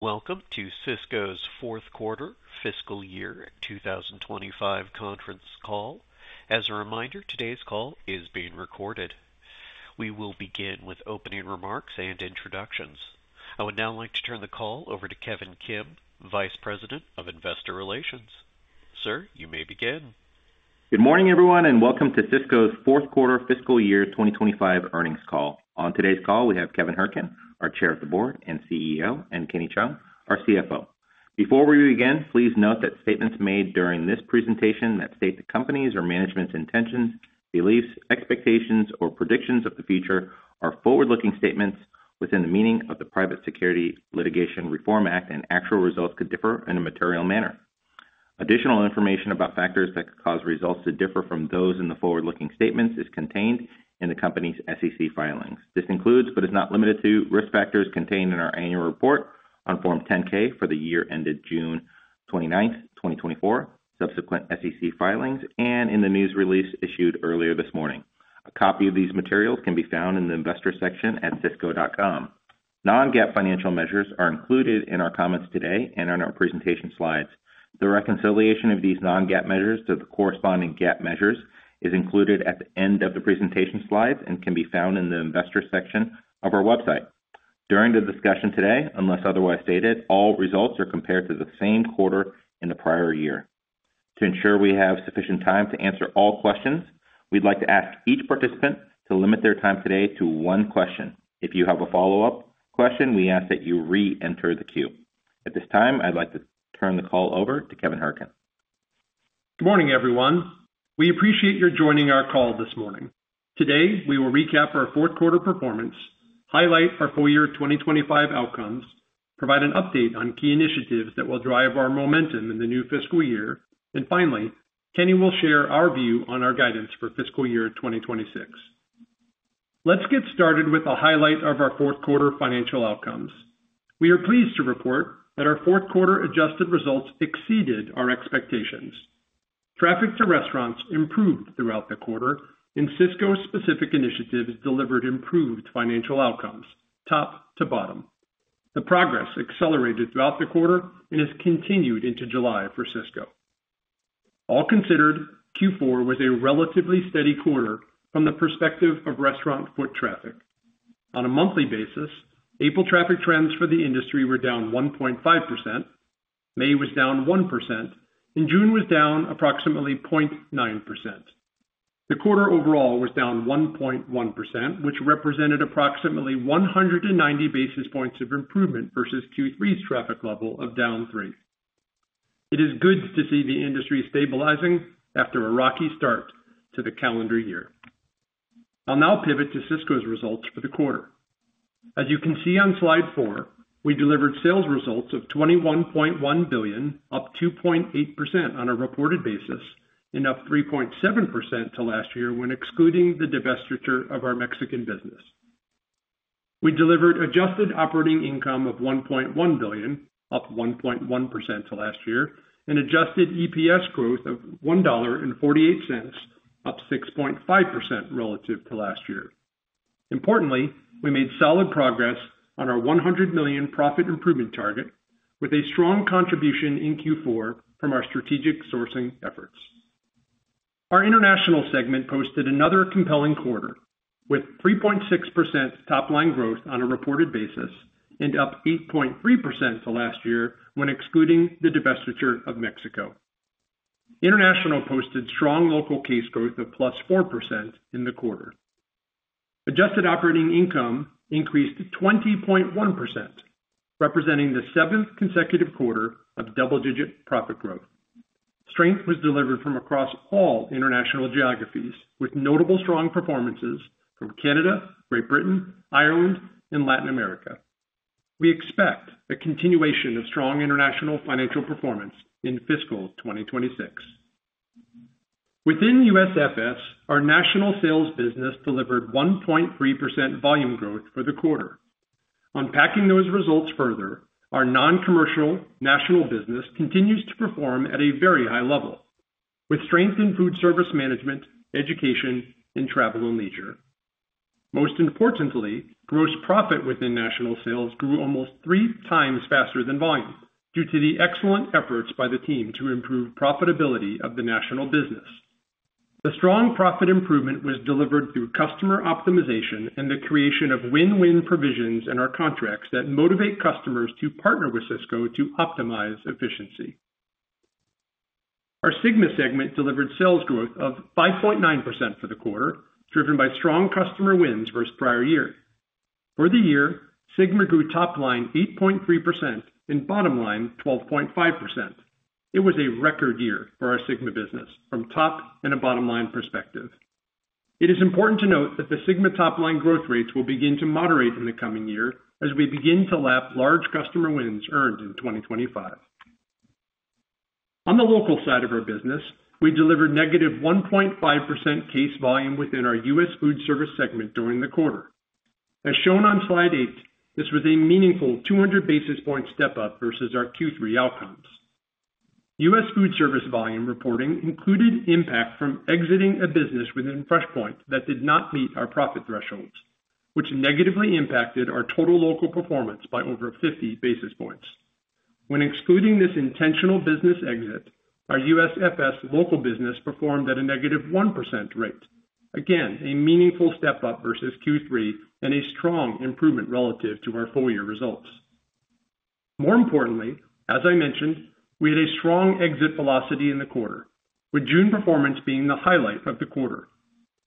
Welcome to Sysco's fourth quarter fiscal year 2025 conference call. As a reminder, today's call is being recorded. We will begin with opening remarks and introductions. I would now like to turn the call over to Kevin Kim, Vice President of Investor Relations. Sir, you may begin. Good morning, everyone, and welcome to Sysco's fourth quarter fiscal year 2025 earnings call. On today's call, we have Kevin Hourican, our Chair of the Board and CEO, and Kenny Cheung, our CFO. Before we begin, please note that statements made during this presentation that state the company's or management's intentions, beliefs, expectations, or predictions of the future are forward-looking statements within the meaning of the Private Securities Litigation Reform Act, and actual results could differ in a material manner. Additional information about factors that could cause results to differ from those in the forward-looking statements is contained in the company's SEC filings. This includes, but is not limited to, risk factors contained in our annual report on Form 10-K for the year ended June 29, 2024, subsequent SEC filings, and in the news release issued earlier this morning. A copy of these materials can be found in the investor section at sysco.com. Non-GAAP financial measures are included in our comments today and on our presentation slides. The reconciliation of these non-GAAP measures to the corresponding GAAP measures is included at the end of the presentation slides and can be found in the investor section of our website. During the discussion today, unless otherwise stated, all results are compared to the same quarter in the prior year. To ensure we have sufficient time to answer all questions, we'd like to ask each participant to limit their time today to one question. If you have a follow-up question, we ask that you re-enter the queue. At this time, I'd like to turn the call over to Kevin Hourican. Good morning, everyone. We appreciate your joining our call this morning. Today, we will recap our fourth quarter performance, highlight our full year 2025 outcomes, provide an update on key initiatives that will drive our momentum in the new fiscal year, and finally, Kenny will share our view on our guidance for fiscal year 2026. Let's get started with a highlight of our fourth quarter financial outcomes. We are pleased to report that our fourth quarter adjusted results exceeded our expectations. Traffic to restaurants improved throughout the quarter, and Sysco-specific initiatives delivered improved financial outcomes top to bottom. The progress accelerated throughout the quarter and has continued into July for Sysco. All considered, Q4 was a relatively steady quarter from the perspective of restaurant foot traffic. On a monthly basis, April traffic trends for the industry were down 1.5%. May was down 1%, and June was down approximately 0.9%. The quarter overall was down 1.1%, which represented approximately 190 basis points of improvement versus Q3's traffic level of down 3%. It is good to see the industry stabilizing after a rocky start to the calendar year. I'll now pivot to Sysco's results for the quarter. As you can see on slide four, we delivered sales results of $21.1 billion, up 2.8% on a reported basis, and up 3.7% to last year when excluding the divestiture of our Mexican business. We delivered adjusted operating income of $1.1 billion, up 1.1% to last year, and adjusted EPS growth of $1.48, up 6.5% relative to last year. Importantly, we made solid progress on our $100 million profit improvement target with a strong contribution in Q4 from our strategic sourcing efforts. Our international segment posted another compelling quarter with 3.6% top-line growth on a reported basis and up 8.3% to last year when excluding the divestiture of Mexico. International posted strong local case growth of plus 4% in the quarter. Adjusted operating income increased 20.1%, representing the seventh consecutive quarter of double-digit profit growth. Strength was delivered from across all international geographies with notable strong performances from Canada, Great Britain, Ireland, and Latin America. We expect a continuation of strong international financial performance in fiscal 2026. Within USFS, our national sales business delivered 1.3% volume growth for the quarter. Unpacking those results further, our non-commercial national business continues to perform at a very high level with strength in food service management, education, and travel and leisure. Most importantly, gross profit within national sales grew almost three times faster than volume due to the excellent efforts by the team to improve profitability of the national business. The strong profit improvement was delivered through customer optimization and the creation of win-win provisions in our contracts that motivate customers to partner with Sysco to optimize efficiency. Our Sigma segment delivered sales growth of 5.9% for the quarter, driven by strong customer wins versus prior year. For the year, Sigma grew top-line 8.3% and bottom-line 12.5%. It was a record year for our Sigma business from top and a bottom-line perspective. It is important to note that the Sigma top-line growth rates will begin to moderate in the coming year as we begin to lap large customer wins earned in 2025. On the local side of our business, we delivered negative 1.5% case volume within our U.S. Foodservice segment during the quarter. As shown on slide eight, this was a meaningful 200 basis point step up versus our Q3 outcomes. U.S. Foodservice volume reporting included impact from exiting a business within FreshPoint that did not meet our profit thresholds, which negatively impacted our total local performance by over 50 basis points. When excluding this intentional business exit, our USFS local business performed at a negative 1% rate, again a meaningful step up versus Q3 and a strong improvement relative to our full year results. More importantly, as I mentioned, we had a strong exit velocity in the quarter, with June performance being the highlight of the quarter.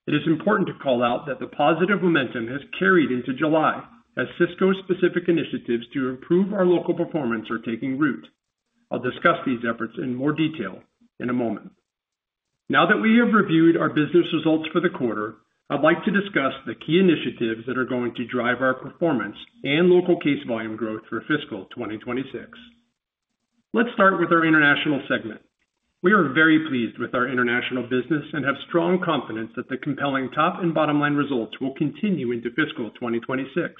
It is important to call out that the positive momentum has carried into July as Sysco-specific initiatives to improve our local performance are taking root. I'll discuss these efforts in more detail in a moment. Now that we have reviewed our business results for the quarter, I'd like to discuss the key initiatives that are going to drive our performance and local case volume growth for fiscal 2026. Let's start with our international segment. We are very pleased with our international business and have strong confidence that the compelling top and bottom-line results will continue into fiscal 2026.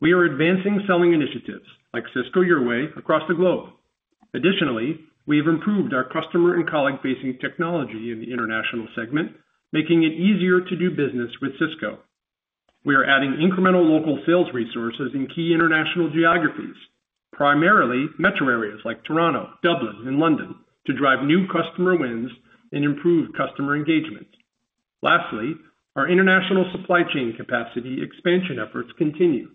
We are advancing selling initiatives like Sysco Your Way across the globe. Additionally, we have improved our customer and colleague-facing technology in the international segment, making it easier to do business with Sysco. We are adding incremental local sales resources in key international geographies, primarily metro areas like Toronto, Dublin, and London, to drive new customer wins and improved customer engagement. Lastly, our international supply chain capacity expansion efforts continue,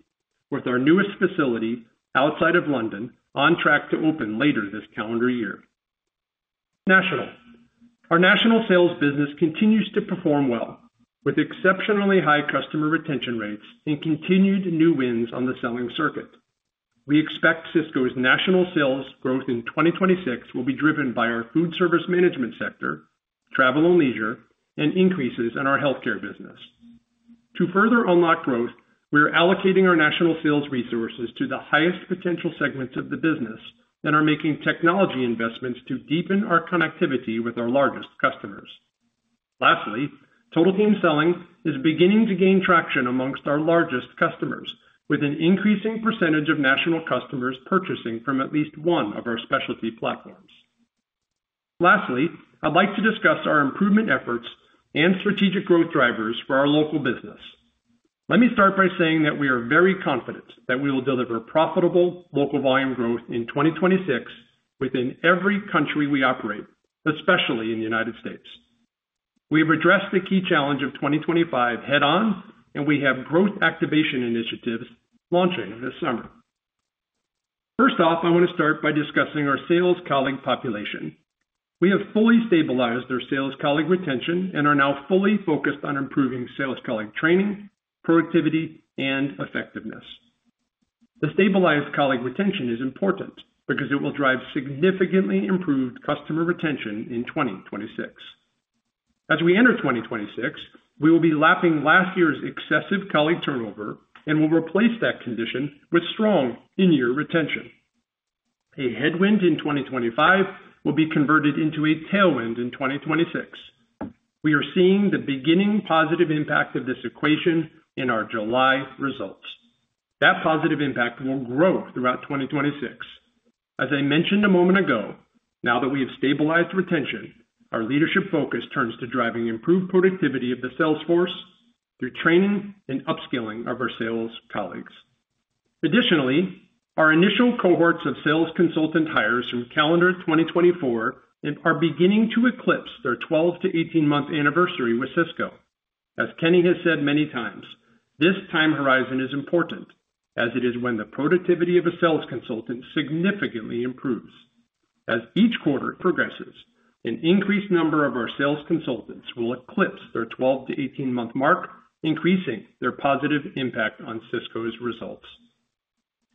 with our newest facility outside of London on track to open later this calendar year. Our national sales business continues to perform well, with exceptionally high customer retention rates and continued new wins on the selling circuit. We expect Sysco's national sales growth in 2026 will be driven by our food service management sector, travel and leisure, and increases in our healthcare business. To further unlock growth, we are allocating our national sales resources to the highest potential segments of the business that are making technology investments to deepen our connectivity with our largest customers. Lastly, total team selling is beginning to gain traction amongst our largest customers, with an increasing percentage of national customers purchasing from at least one of our specialty platforms. Lastly, I'd like to discuss our improvement efforts and strategic growth drivers for our local business. Let me start by saying that we are very confident that we will deliver profitable local volume growth in 2026 within every country we operate, especially in the United States. We have addressed the key challenge of 2025 head-on, and we have growth activation initiatives launching this summer. First off, I want to start by discussing our sales colleague population. We have fully stabilized our sales colleague retention and are now fully focused on improving sales colleague training, productivity, and effectiveness. The stabilized colleague retention is important because it will drive significantly improved customer retention in 2026. As we enter 2026, we will be lapping last year's excessive colleague turnover and will replace that condition with strong in-year retention. A headwind in 2025 will be converted into a tailwind in 2026. We are seeing the beginning positive impact of this equation in our July results. That positive impact will grow throughout 2026. As I mentioned a moment ago, now that we have stabilized retention, our leadership focus turns to driving improved productivity of the sales force through training and upskilling of our sales colleagues. Additionally, our initial cohorts of sales consultant hires from calendar 2024 are beginning to eclipse their 12 to 18-month anniversary with Sysco. As Kenny has said many times, this time horizon is important, as it is when the productivity of a sales consultant significantly improves. As each quarter progresses, an increased number of our sales consultants will eclipse their 12 to 18-month mark, increasing their positive impact on Sysco's results.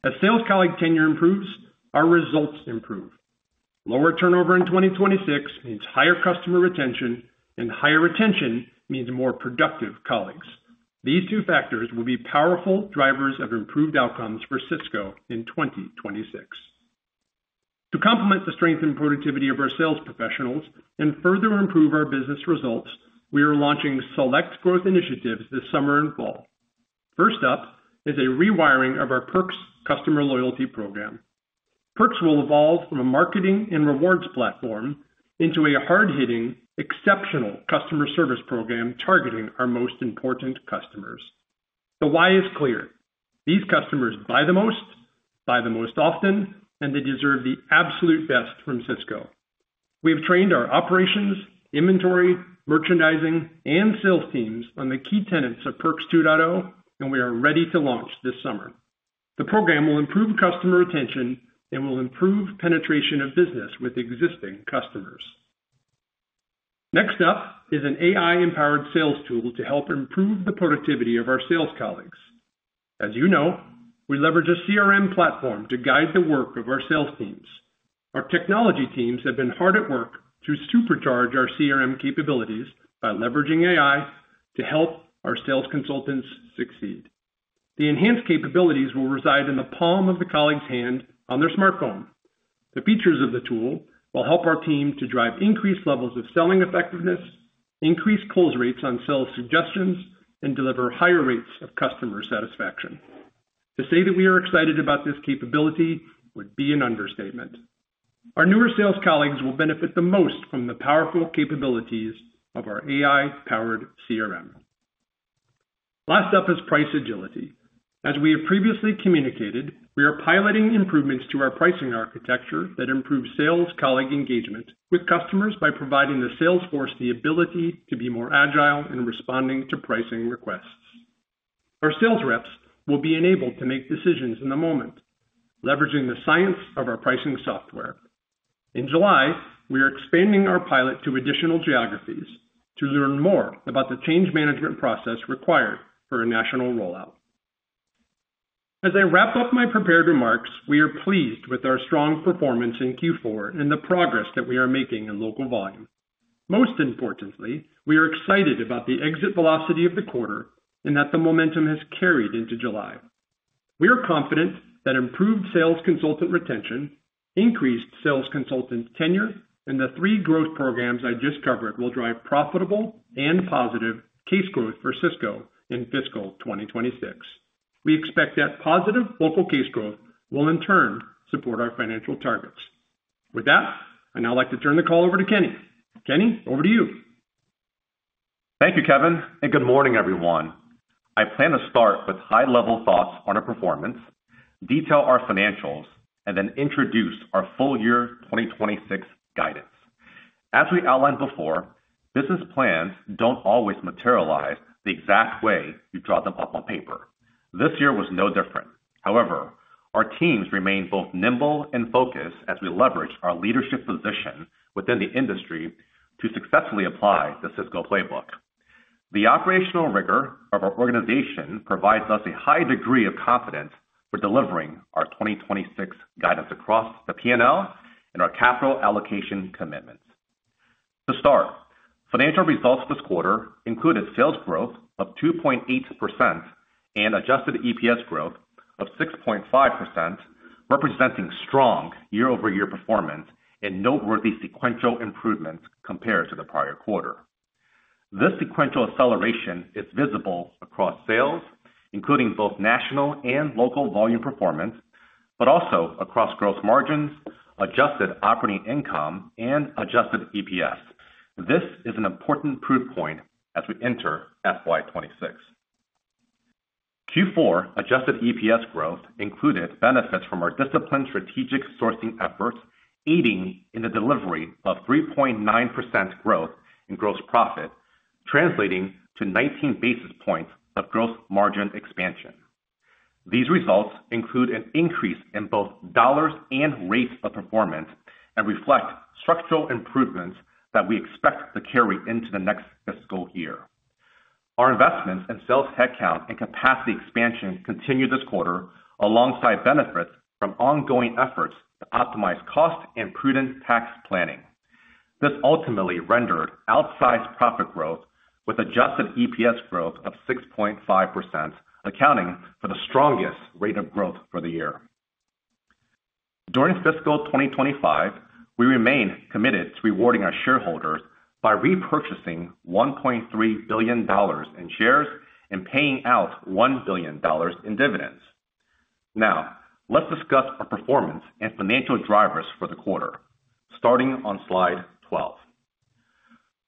As sales colleague tenure improves, our results improve. Lower turnover in 2026 means higher customer retention, and higher retention means more productive colleagues. These two factors will be powerful drivers of improved outcomes for Sysco in 2026. To complement the strength and productivity of our sales professionals and further improve our business results, we are launching select growth initiatives this summer and fall. First up is a rewiring of our Perks customer loyalty program. Perks will evolve from a marketing and rewards platform into a hard-hitting, exceptional customer service program targeting our most important customers. The why is clear. These customers buy the most, buy the most often, and they deserve the absolute best from Sysco. We have trained our operations, inventory, merchandising, and sales teams on the key tenets of Perks 2.0, and we are ready to launch this summer. The program will improve customer retention and will improve penetration of business with existing customers. Next up is an AI-empowered sales tool to help improve the productivity of our sales colleagues. As you know, we leverage a CRM platform to guide the work of our sales teams. Our technology teams have been hard at work to supercharge our CRM capabilities by leveraging AI to help our sales consultants succeed. The enhanced capabilities will reside in the palm of the colleague's hand on their smartphone. The features of the tool will help our team to drive increased levels of selling effectiveness, increase close rates on sales suggestions, and deliver higher rates of customer satisfaction. To say that we are excited about this capability would be an understatement. Our newer sales colleagues will benefit the most from the powerful capabilities of our AI-powered CRM. Last up is price agility. As we have previously communicated, we are piloting improvements to our pricing architecture that improve sales colleague engagement with customers by providing the sales force the ability to be more agile in responding to pricing requests. Our sales reps will be enabled to make decisions in the moment, leveraging the science of our pricing software. In July, we are expanding our pilot to additional geographies to learn more about the change management process required for a national rollout. As I wrap up my prepared remarks, we are pleased with our strong performance in Q4 and the progress that we are making in local volume. Most importantly, we are excited about the exit velocity of the quarter and that the momentum has carried into July. We are confident that improved sales consultant retention, increased sales consultant tenure, and the three growth programs I just covered will drive profitable and positive case growth for Sysco in fiscal 2026. We expect that positive local case growth will, in turn, support our financial targets. With that, I'd now like to turn the call over to Kenny. Kenny, over to you. Thank you, Kevin, and good morning, everyone. I plan to start with high-level thoughts on our performance, detail our financials, and then introduce our full year 2026 guidance. As we outlined before, business plans don't always materialize the exact way you draw them up on paper. This year was no different. However, our teams remain both nimble and focused as we leverage our leadership position within the industry to successfully apply the Sysco playbook. The operational rigor of our organization provides us a high degree of confidence for delivering our 2026 guidance across the P&L and our capital allocation commitments. To start, financial results this quarter included sales growth of 2.8% and adjusted EPS growth of 6.5%, representing strong year-over-year performance and noteworthy sequential improvements compared to the prior quarter. This sequential acceleration is visible across sales, including both national and local volume performance, but also across gross margins, adjusted operating income, and adjusted EPS. This is an important proof point as we enter FY 2026. Q4 adjusted EPS growth included benefits from our disciplined strategic sourcing efforts, aiding in the delivery of 3.9% growth in gross profit, translating to 19 basis points of gross margin expansion. These results include an increase in both dollars and rates of performance and reflect structural improvements that we expect to carry into the next fiscal year. Our investments in sales headcount and capacity expansion continued this quarter alongside benefits from ongoing efforts to optimize cost and prudent tax planning. This ultimately rendered outsized profit growth with adjusted EPS growth of 6.5%, accounting for the strongest rate of growth for the year. During fiscal 2025, we remain committed to rewarding our shareholders by repurchasing $1.3 billion in shares and paying out $1 billion in dividends. Now, let's discuss our performance and financial drivers for the quarter, starting on slide 12.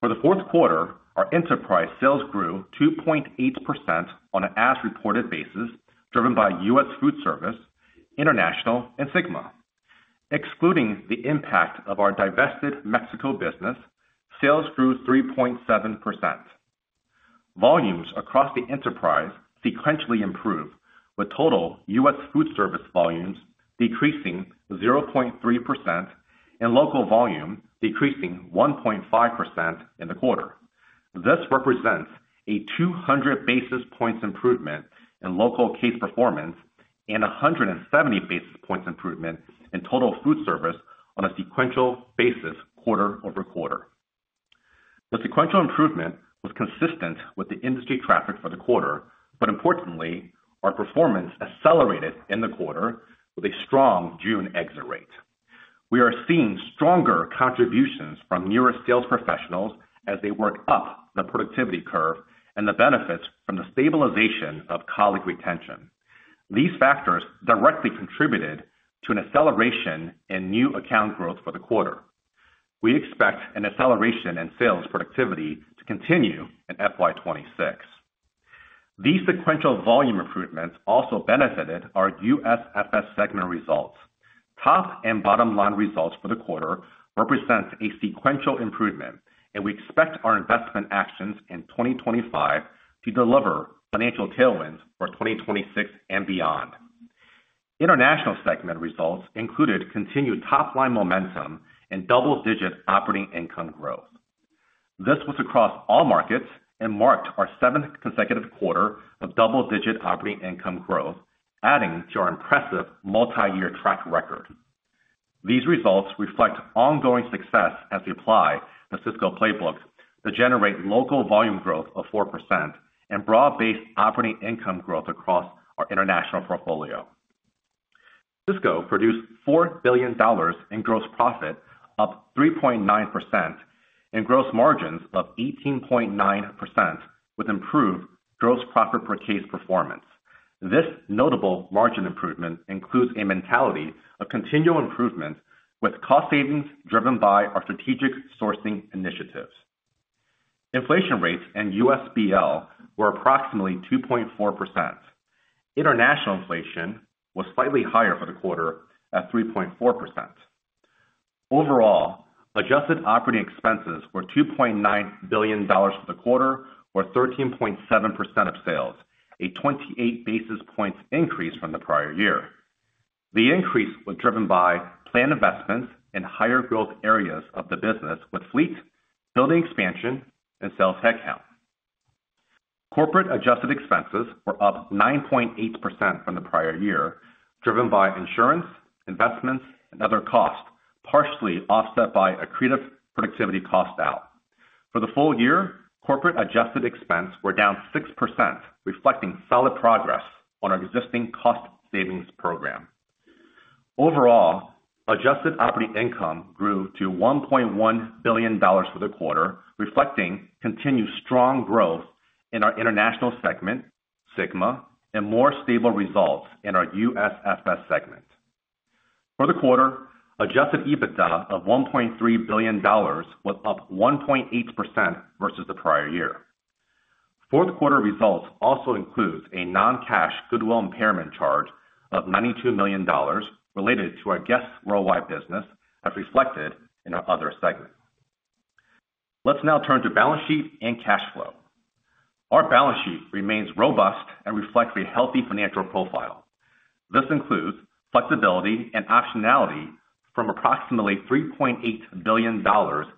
For the fourth quarter, our enterprise sales grew 2.8% on an as-reported basis, driven by U.S. Foodservice, International, and Sigma. Excluding the impact of our divested Mexico business, sales grew 3.7%. Volumes across the enterprise sequentially improved, with total U.S. Foodservice volumes decreasing 0.3% and local volume decreasing 1.5% in the quarter. This represents a 200 basis points improvement in local case performance and 170 basis points improvement in total food service on a sequential basis quarter over quarter. The sequential improvement was consistent with the industry traffic for the quarter, but importantly, our performance accelerated in the quarter with a strong June exit rate. We are seeing stronger contributions from newer sales professionals as they work up the productivity curve and the benefits from the stabilization of colleague retention. These factors directly contributed to an acceleration in new account growth for the quarter. We expect an acceleration in sales productivity to continue in FY 2026. These sequential volume improvements also benefited our USFS segment results. Top and bottom-line results for the quarter represent a sequential improvement, and we expect our investment actions in 2025 to deliver financial tailwinds for 2026 and beyond. International segment results included continued top-line momentum and double-digit operating income growth. This was across all markets and marked our seventh consecutive quarter of double-digit operating income growth, adding to our impressive multi-year track record. These results reflect ongoing success as we apply the Sysco playbook to generate local volume growth of 4% and broad-based operating income growth across our international portfolio. Sysco produced $4 billion in gross profit, up 3.9%, and gross margins of 18.9%, with improved gross profit per case performance. This notable margin improvement includes a mentality of continual improvement, with cost savings driven by our strategic sourcing initiatives. Inflation rates in USBL were approximately 2.4%. International inflation was slightly higher for the quarter at 3.4%. Overall, adjusted operating expenses were $2.9 billion for the quarter, or 13.7% of sales, a 28 basis points increase from the prior year. The increase was driven by planned investments in higher growth areas of the business, with fleets, building expansion, and sales headcount. Corporate adjusted expenses were up 9.8% from the prior year, driven by insurance, investments, and other costs, partially offset by accretive productivity costs out. For the full year, corporate adjusted expenses were down 6%, reflecting solid progress on our existing cost savings program. Overall, adjusted operating income grew to $1.1 billion for the quarter, reflecting continued strong growth in our international segment, Sigma, and more stable results in our USFS segment. For the quarter, adjusted EBITDA of $1.3 billion was up 1.8% versus the prior year. Fourth quarter results also include a non-cash goodwill impairment charge of $92 million related to our Guest's Worldwide business, as reflected in our other segment. Let's now turn to balance sheet and cash flow. Our balance sheet remains robust and reflects a healthy financial profile. This includes flexibility and optionality from approximately $3.8 billion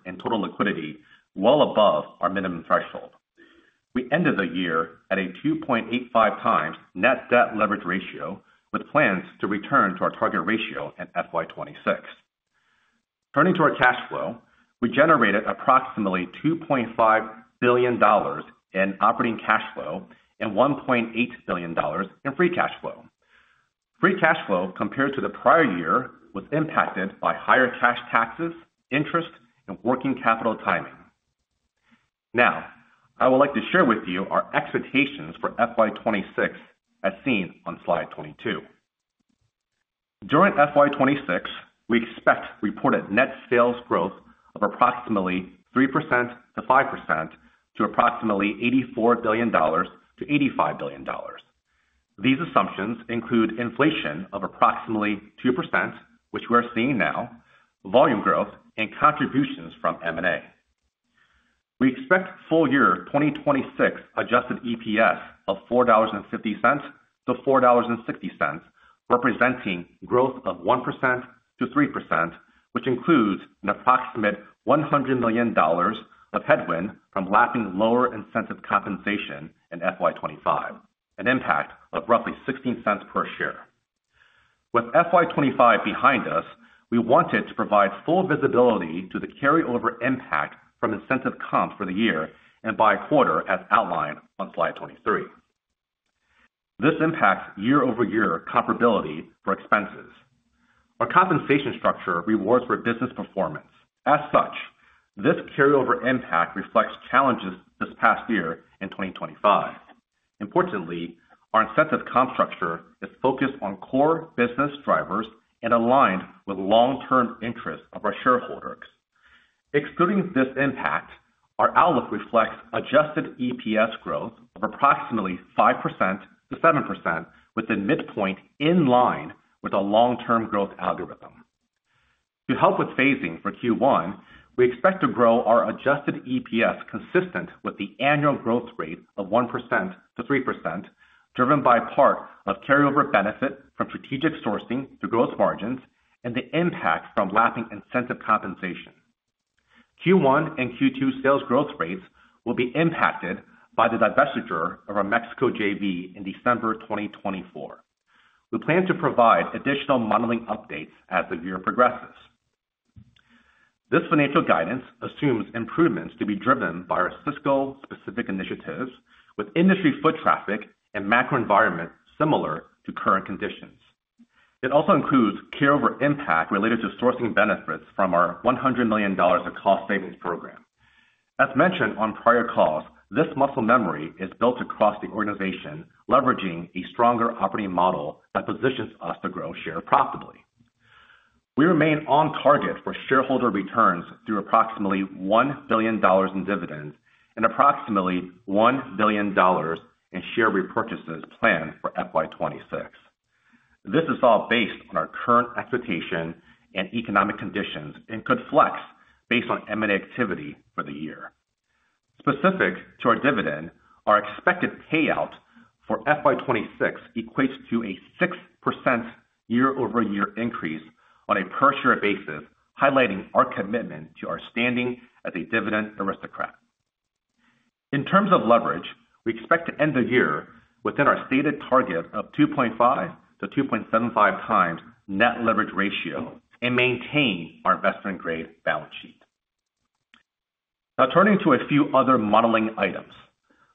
in total liquidity, well above our minimum threshold. We ended the year at a 2.85 times net debt leverage ratio, with plans to return to our target ratio in FY 2026. Turning to our cash flow, we generated approximately $2.5 billion in operating cash flow and $1.8 billion in free cash flow. Free cash flow, compared to the prior year, was impacted by higher cash taxes, interest, and working capital timing. Now, I would like to share with you our expectations for FY 2026, as seen on slide 22. During FY 2026, we expect reported net sales growth of approximately 3%-5% to approximately $84 billion-$85 billion. These assumptions include inflation of approximately 2%, which we are seeing now, volume growth, and contributions from M&A. We expect full year 2026 adjusted EPS of $4.50-$4.60, representing growth of 1%-3%, which includes an approximate $100 million of headwind from lacking lower incentive compensation in FY 2025, an impact of roughly $0.16 per share. With FY 2025 behind us, we wanted to provide full visibility to the carryover impact from incentive comp for the year and by quarter, as outlined on slide 23. This impacts year-over-year comparability for expenses. Our compensation structure rewards for business performance. As such, this carryover impact reflects challenges this past year in 2025. Importantly, our incentive comp structure is focused on core business drivers and aligned with long-term interests of our shareholders. Excluding this impact, our outlook reflects adjusted EPS growth of approximately 5%-7%, with the midpoint in line with a long-term growth algorithm. To help with phasing for Q1, we expect to grow our adjusted EPS consistent with the annual growth rate of 1%-3%, driven by part of carryover benefit from strategic sourcing to gross margins and the impact from lacking incentive compensation. Q1 and Q2 sales growth rates will be impacted by the divestiture of our Mexico JV in December 2024. We plan to provide additional modeling updates as the year progresses. This financial guidance assumes improvements to be driven by our Sysco-specific initiatives, with industry foot traffic and macro environment similar to current conditions. It also includes carryover impact related to sourcing benefits from our $100 million of cost savings program. As mentioned on prior calls, this muscle memory is built across the organization, leveraging a stronger operating model that positions us to grow share profitably. We remain on target for shareholder returns through approximately $1 billion in dividends and approximately $1 billion in share repurchases planned for FY 2026. This is all based on our current expectation and economic conditions and could flex based on M&A activity for the year. Specific to our dividend, our expected payout for FY 2026 equates to a 6% year-over-year increase on a per-share basis, highlighting our commitment to our standing as a dividend aristocrat. In terms of leverage, we expect to end the year within our stated target of 2.5-2.75 times net leverage ratio and maintain our investment-grade balance sheet. Now, turning to a few other modeling items.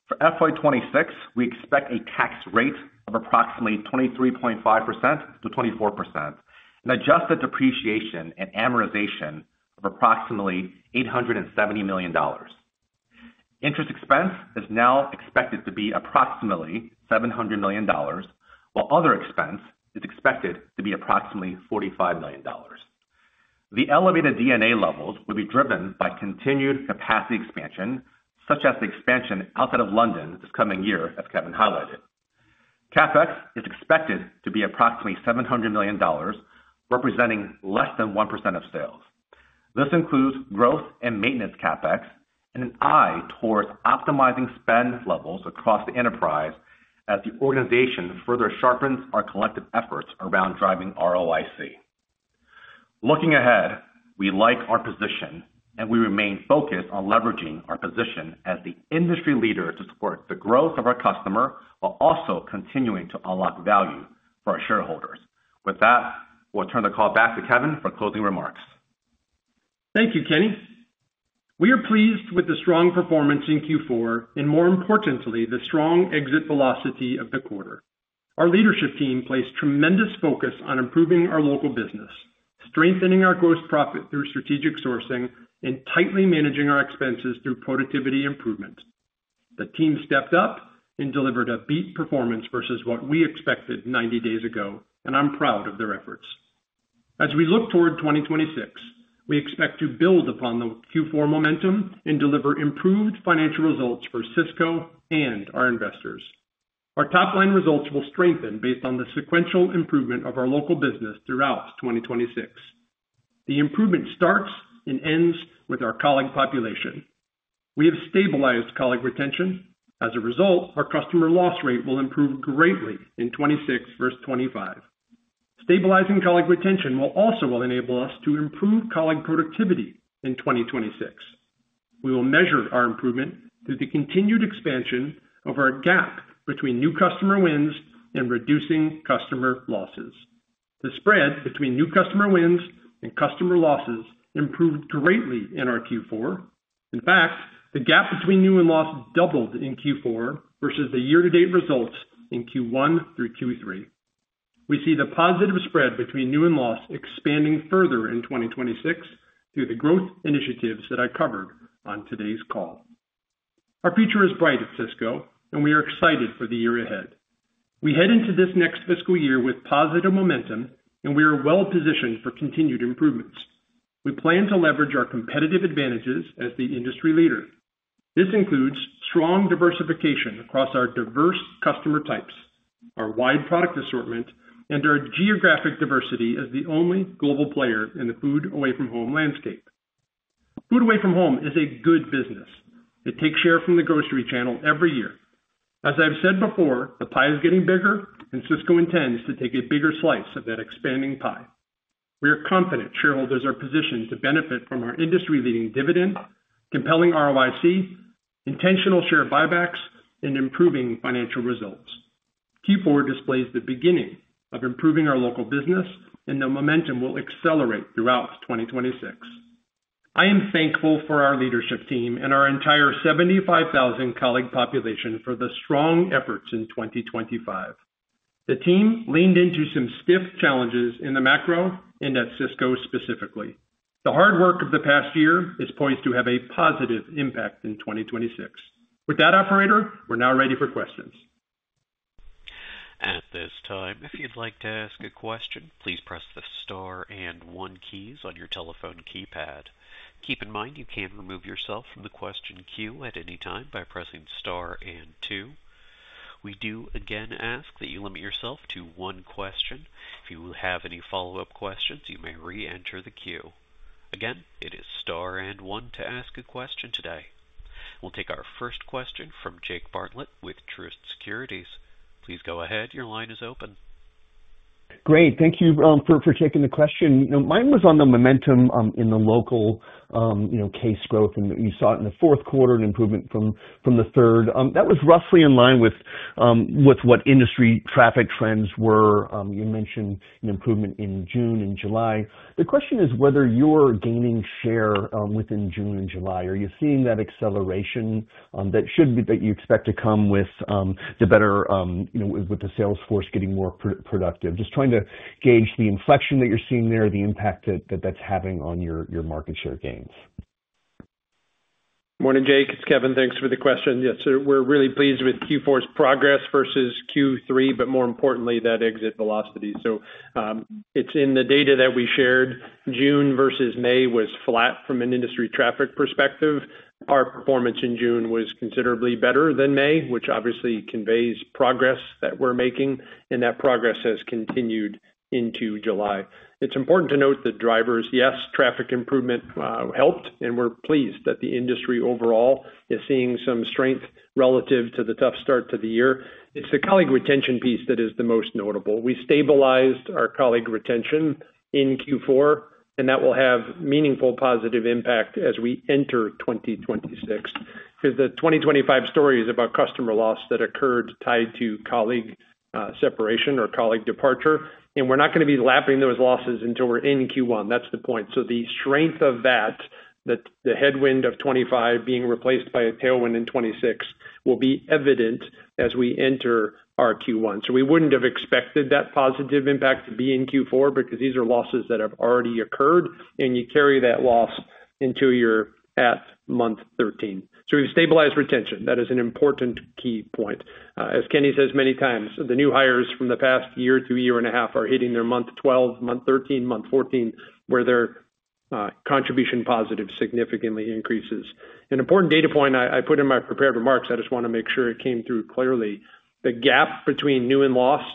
For FY 2026, we expect a tax rate of approximately 23.5%-24% and adjusted depreciation and amortization of approximately $870 million. Interest expense is now expected to be approximately $700 million, while other expense is expected to be approximately $45 million. The elevated D&A levels will be driven by continued capacity expansion, such as the expansion outside of London this coming year, as Kevin highlighted. CapEx is expected to be approximately $700 million, representing less than 1% of sales. This includes growth and maintenance CapEx and an eye towards optimizing spend levels across the enterprise as the organization further sharpens our collective efforts around driving ROIC. Looking ahead, we like our position, and we remain focused on leveraging our position as the industry leader to support the growth of our customer while also continuing to unlock value for our shareholders. With that, we'll turn the call back to Kevin for closing remarks. Thank you, Kenny. We are pleased with the strong performance in Q4 and, more importantly, the strong exit velocity of the quarter. Our leadership team placed tremendous focus on improving our local business, strengthening our gross profit through strategic sourcing, and tightly managing our expenses through productivity improvement. The team stepped up and delivered a beat performance versus what we expected 90 days ago, and I'm proud of their efforts. As we look toward 2026, we expect to build upon the Q4 momentum and deliver improved financial results for Sysco and our investors. Our top-line results will strengthen based on the sequential improvement of our local business throughout 2026. The improvement starts and ends with our colleague population. We have stabilized colleague retention. As a result, our customer loss rate will improve greatly in 2026 versus 2025. Stabilizing colleague retention will also enable us to improve colleague productivity in 2026. We will measure our improvement through the continued expansion of our gap between new customer wins and reducing customer losses. The spread between new customer wins and customer losses improved greatly in our Q4. In fact, the gap between new and loss doubled in Q4 versus the year-to-date results in Q1 through Q3. We see the positive spread between new and loss expanding further in 2026 through the growth initiatives that I covered on today's call. Our future is bright at Sysco, and we are excited for the year ahead. We head into this next fiscal year with positive momentum, and we are well-positioned for continued improvements. We plan to leverage our competitive advantages as the industry leader. This includes strong diversification across our diverse customer types, our wide product assortment, and our geographic diversity as the only global player in the food-away-from-home landscape. Food-away-from-home is a good business. It takes share from the grocery channel every year. As I've said before, the pie is getting bigger, and Sysco intends to take a bigger slice of that expanding pie. We are confident shareholders are positioned to benefit from our industry-leading dividend, compelling ROIC, intentional share buybacks, and improving financial results. Q4 displays the beginning of improving our local business, and the momentum will accelerate throughout 2026. I am thankful for our leadership team and our entire 75,000 colleague population for the strong efforts in 2025. The team leaned into some stiff challenges in the macro and at Sysco specifically. The hard work of the past year is poised to have a positive impact in 2026. With that, operator, we're now ready for questions. At this time, if you'd like to ask a question, please press the star and one keys on your telephone keypad. Keep in mind you can remove yourself from the question queue at any time by pressing star and two. We do again ask that you limit yourself to one question. If you have any follow-up questions, you may re-enter the queue. Again, it is star and one to ask a question today. We'll take our first question from Jake Bartlett with Truist Securities. Please go ahead. Your line is open. Great. Thank you for taking the question. Mine was on the momentum in the local. Case growth, and you saw it in the fourth quarter and improvement from the third. That was roughly in line with what industry traffic trends were. You mentioned an improvement in June and July. The question is whether you're gaining share within June and July. Are you seeing that acceleration that should be that you expect to come with the better, with the sales force getting more productive? Just trying to gauge the inflection that you're seeing there, the impact that that's having on your market share gains. Morning, Jake. It's Kevin. Thanks for the question. Yes, we're really pleased with Q4's progress versus Q3, but more importantly, that exit velocity. It's in the data that we shared. June versus May was flat from an industry traffic perspective. Our performance in June was considerably better than May, which obviously conveys progress that we're making, and that progress has continued into July. It's important to note the drivers. Yes, traffic improvement helped, and we're pleased that the industry overall is seeing some strength relative to the tough start to the year. It's the colleague retention piece that is the most notable. We stabilized our colleague retention in Q4, and that will have a meaningful positive impact as we enter 2026. Because the 2025 story is about customer loss that occurred tied to colleague separation or colleague departure, and we're not going to be lapping those losses until we're in Q1. That's the point. The strength of that, the headwind of 2025 being replaced by a tailwind in 2026, will be evident as we enter our Q1. We wouldn't have expected that positive impact to be in Q4 because these are losses that have already occurred, and you carry that loss into your at month 13. We've stabilized retention. That is an important key point. As Kenny says many times, the new hires from the past year to a year and a half are hitting their month 12, month 13, month 14, where their contribution positive significantly increases. An important data point I put in my prepared remarks, I just want to make sure it came through clearly. The gap between new and lost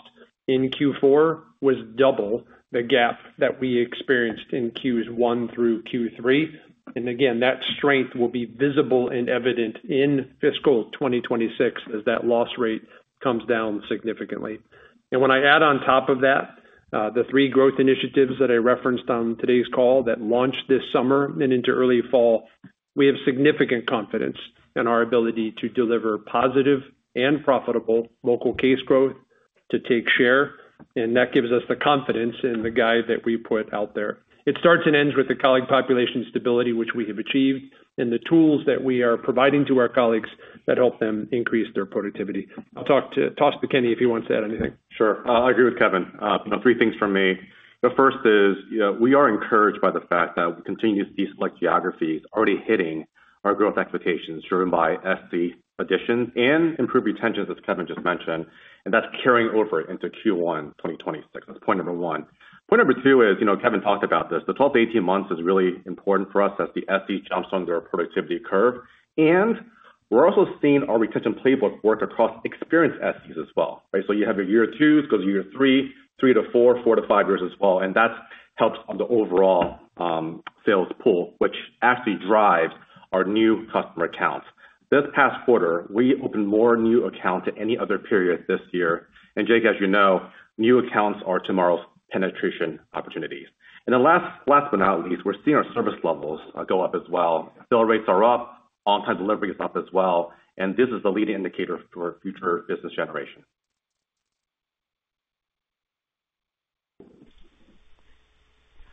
in Q4 was double the gap that we experienced in Q1 through Q3. That strength will be visible and evident in fiscal 2026 as that loss rate comes down significantly. When I add on top of that, the three growth initiatives that I referenced on today's call that launched this summer and into early fall, we have significant confidence in our ability to deliver positive and profitable local case growth to take share, and that gives us the confidence in the guide that we put out there. It starts and ends with the colleague population stability, which we have achieved, and the tools that we are providing to our colleagues that help them increase their productivity. I'll toss to Kenny if he wants to add anything. Sure. I agree with Kevin. Three things for me. The first is we are encouraged by the fact that we continue to see select geographies already hitting our growth expectations driven by SC additions and improved retention, as Kevin just mentioned, and that's carrying over into Q1 2026. That's point number one. Point number two is Kevin talked about this. The 12 to 18 months is really important for us as the SC jumps on their productivity curve. We're also seeing our retention playbook work across experienced SCs as well. You have your year twos go to year three, three to four, four to five years as well. That helps on the overall sales pool, which actually drives our new customer accounts. This past quarter, we opened more new accounts than any other period this year. Jake, as you know, new accounts are tomorrow's penetration opportunities. Last but not least, we're seeing our service levels go up as well. Bill rates are up, on-time delivery is up as well, and this is the leading indicator for future business generation.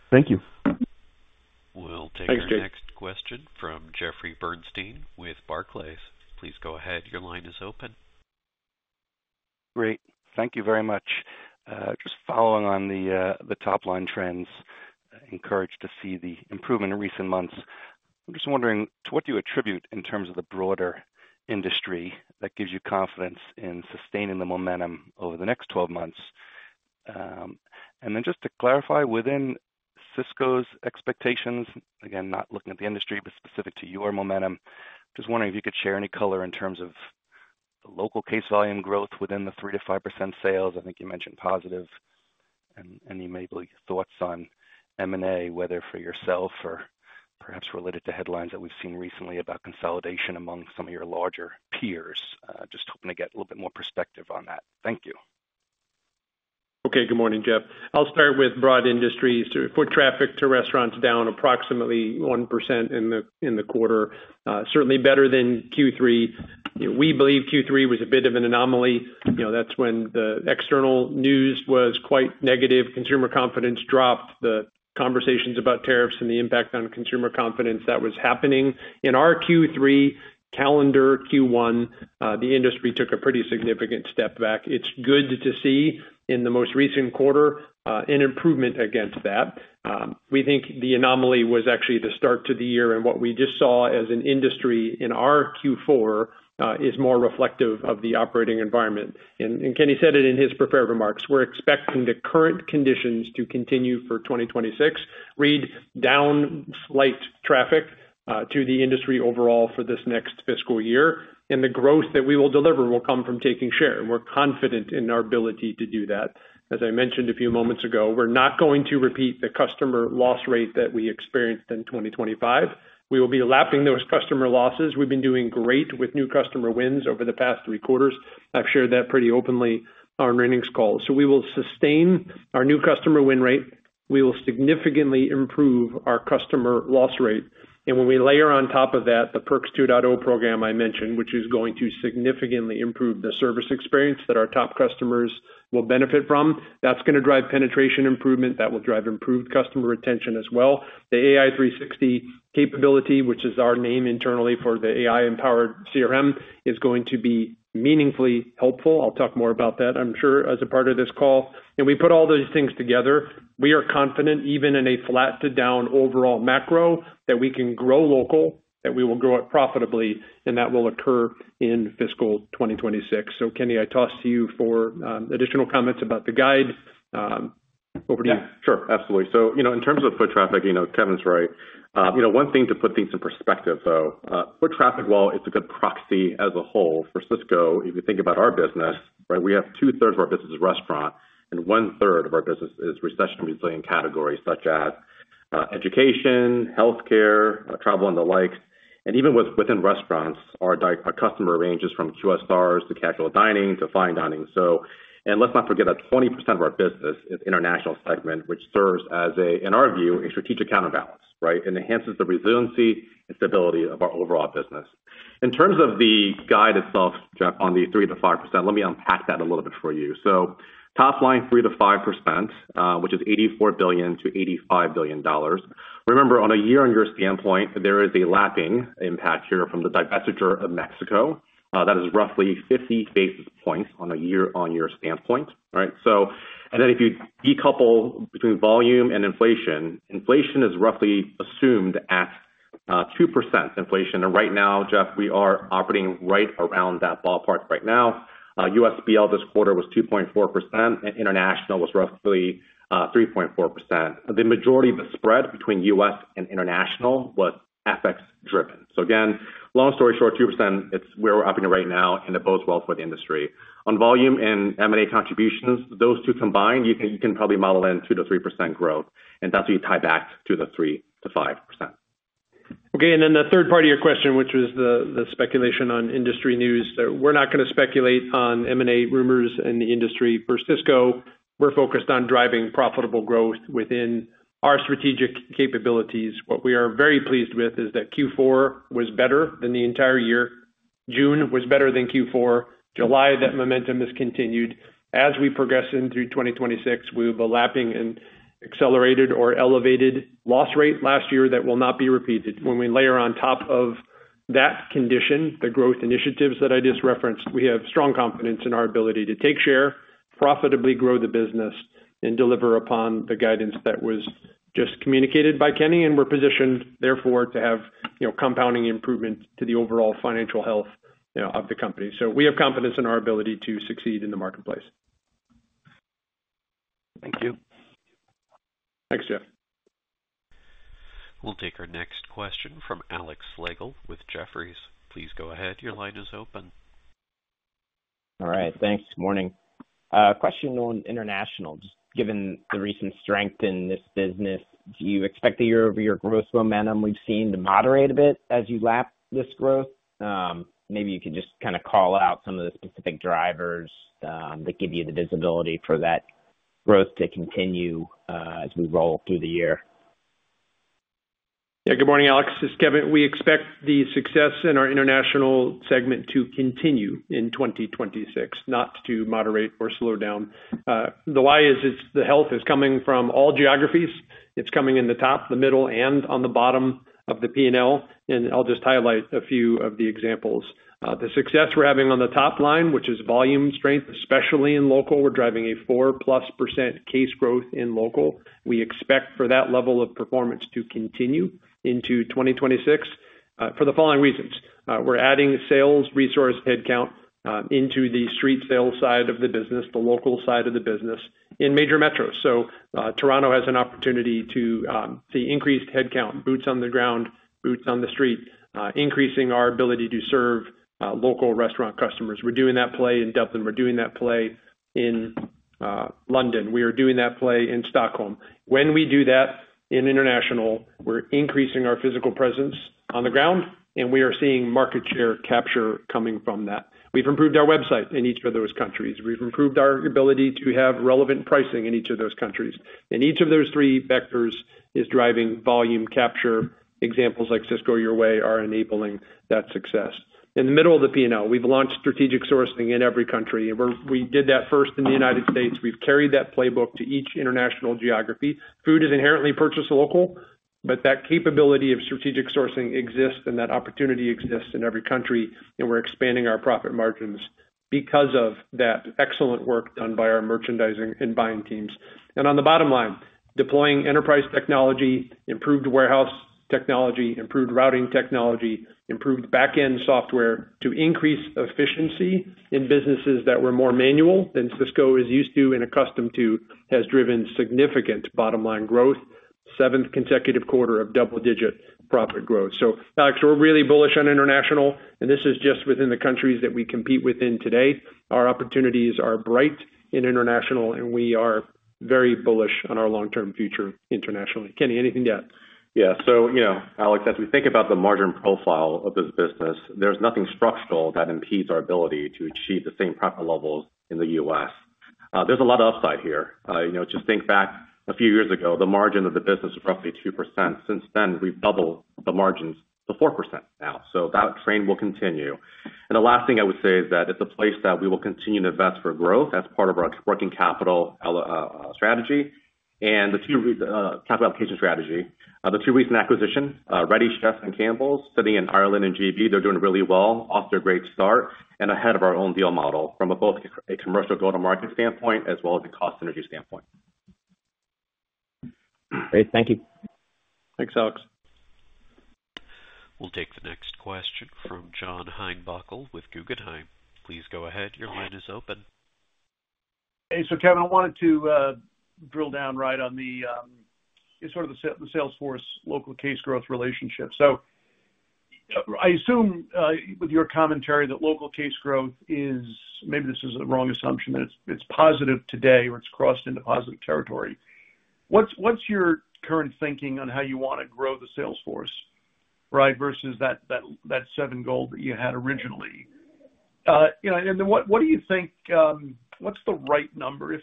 Thank you. We'll take the next question from Jeffrey Bernstein with Barclays. Please go ahead. Your line is open. Great. Thank you very much. Just following on the top-line trends, encouraged to see the improvement in recent months. I'm just wondering, to what do you attribute in terms of the broader industry that gives you confidence in sustaining the momentum over the next 12 months? Just to clarify, within Sysco's expectations, again, not looking at the industry, but specific to your momentum, just wondering if you could share any color in terms of the local case volume growth within the 3%-5% sales. I think you mentioned positive. Any maybe thoughts on M&A, whether for yourself or perhaps related to headlines that we've seen recently about consolidation among some of your larger peers. Just hoping to get a little bit more perspective on that. Thank you. Okay. Good morning, Jeff. I'll start with broad industries. Foot traffic to restaurants down approximately 1% in the quarter. Certainly better than Q3. We believe Q3 was a bit of an anomaly. That's when the external news was quite negative. Consumer confidence dropped. The conversations about tariffs and the impact on consumer confidence that was happening. In our Q3 calendar, Q1, the industry took a pretty significant step back. It's good to see in the most recent quarter an improvement against that. We think the anomaly was actually the start to the year, and what we just saw as an industry in our Q4 is more reflective of the operating environment. Kenny said it in his prepared remarks. We're expecting the current conditions to continue for 2026, read down slight traffic to the industry overall for this next fiscal year. The growth that we will deliver will come from taking share. We're confident in our ability to do that. As I mentioned a few moments ago, we're not going to repeat the customer loss rate that we experienced in 2025. We will be lapping those customer losses. We've been doing great with new customer wins over the past three quarters. I've shared that pretty openly on earnings calls. We will sustain our new customer win rate. We will significantly improve our customer loss rate. When we layer on top of that the Perks 2.0 program I mentioned, which is going to significantly improve the service experience that our top customers will benefit from, that's going to drive penetration improvement. That will drive improved customer retention as well. The AI360 capability, which is our name internally for the AI-empowered CRM, is going to be meaningfully helpful. I'll talk more about that, I'm sure, as a part of this call. We put all those things together. We are confident, even in a flat to down overall macro, that we can grow local, that we will grow it profitably, and that will occur in fiscal 2026. Kenny, I toss to you for additional comments about the guide. Over to you. Yeah. Sure. Absolutely. In terms of foot traffic, Kevin's right. One thing to put things in perspective, though, foot traffic, while it's a good proxy as a whole for Sysco, if you think about our business, we have two-thirds of our business is restaurant, and one-third of our business is recession-resilient categories such as education, healthcare, travel, and the like. Even within restaurants, our customer ranges from QSRs to casual dining to fine dining. Let's not forget that 20% of our business is international segment, which serves as, in our view, a strategic counterbalance and enhances the resiliency and stability of our overall business. In terms of the guide itself, Jeff, on the 3%-5%, let me unpack that a little bit for you. Top line 3%-5%, which is $84 billion-$85 billion. Remember, on a year-on-year standpoint, there is a lapping impact here from the divestiture of Mexico. That is roughly 50 basis points on a year-on-year standpoint. If you decouple between volume and inflation, inflation is roughly assumed at 2% inflation. Right now, Jeff, we are operating right around that ballpark right now. USBL this quarter was 2.4%, and international was roughly 3.4%. The majority of the spread between U.S. and international was FX-driven. Again, long story short, 2%, it's where we're operating right now, and it bodes well for the industry. On volume and M&A contributions, those two combined, you can probably model in 2-3% growth, and that's what you tie back to the 3-5%. Okay. The third part of your question, which was the speculation on industry news, we're not going to speculate on M&A rumors in the industry for Sysco. We're focused on driving profitable growth within our strategic capabilities. What we are very pleased with is that Q4 was better than the entire year. June was better than Q4. July, that momentum has continued. As we progress into 2026, we will be lapping an accelerated or elevated loss rate last year that will not be repeated. When we layer on top of that condition, the growth initiatives that I just referenced, we have strong confidence in our ability to take share, profitably grow the business, and deliver upon the guidance that was just communicated by Kenny. We're positioned, therefore, to have compounding improvement to the overall financial health of the company. We have confidence in our ability to succeed in the marketplace. Thank you. Thanks, Jeff. We'll take our next question from Alex Slagel with Jefferies. Please go ahead. Your line is open. All right. Thanks. Morning. Question on international. Just given the recent strength in this business, do you expect the year-over-year growth momentum we've seen to moderate a bit as you lap this growth? Maybe you can just kind of call out some of the specific drivers that give you the visibility for that growth to continue as we roll through the year. Yeah. Good morning, Alex. This is Kevin. We expect the success in our international segment to continue in 2026, not to moderate or slow down. The why is the health is coming from all geographies. It's coming in the top, the middle, and on the bottom of the P&L. I'll just highlight a few of the examples. The success we're having on the top line, which is volume strength, especially in local, we're driving a 4-plus % case growth in local. We expect for that level of performance to continue into 2026 for the following reasons. We're adding sales resource headcount into the street sales side of the business, the local side of the business, in major metros. Toronto has an opportunity to see increased headcount, boots on the ground, boots on the street, increasing our ability to serve local restaurant customers. We are doing that play in Dublin. We are doing that play in London. We are doing that play in Stockholm. When we do that in international, we are increasing our physical presence on the ground, and we are seeing market share capture coming from that. We have improved our website in each of those countries. We have improved our ability to have relevant pricing in each of those countries. Each of those three vectors is driving volume capture. Examples like Sysco Your Way are enabling that success. In the middle of the P&L, we have launched strategic sourcing in every country. We did that first in the United States. We have carried that playbook to each international geography. Food is inherently purchased local, but that capability of strategic sourcing exists and that opportunity exists in every country. We are expanding our profit margins because of that excellent work done by our merchandising and buying teams. On the bottom line, deploying enterprise technology, improved warehouse technology, improved routing technology, improved back-end software to increase efficiency in businesses that were more manual than Sysco is used to and accustomed to has driven significant bottom-line growth, seventh consecutive quarter of double-digit profit growth. Alex, we are really bullish on international, and this is just within the countries that we compete within today. Our opportunities are bright in international, and we are very bullish on our long-term future internationally. Kenny, anything to add? Yeah. Alex, as we think about the margin profile of this business, there is nothing structural that impedes our ability to achieve the same profit levels in the U.S. There is a lot of upside here. Just think back a few years ago, the margin of the business was roughly 2%. Since then, we have doubled the margins to 4% now. That trend will continue. The last thing I would say is that it is a place that we will continue to invest for growth as part of our working capital strategy and the two capital application strategy. The two recent acquisitions, Reddy, Chef, and Campbell, sitting in Ireland and Great Britain, they are doing really well, off to a great start, and ahead of our own deal model from both a commercial go-to-market standpoint as well as a cost synergy standpoint. Great. Thank you. Thanks, Alex. We'll take the next question from John Heinbockel with Guggenheim. Please go ahead. Your line is open. Hey. So, Kevin, I wanted to drill down right on the sort of the Salesforce local case growth relationship. So, I assume with your commentary that local case growth is, maybe this is a wrong assumption, that it's positive today or it's crossed into positive territory. What's your current thinking on how you want to grow the Salesforce versus that seven goal that you had originally? And then what do you think, what's the right number? If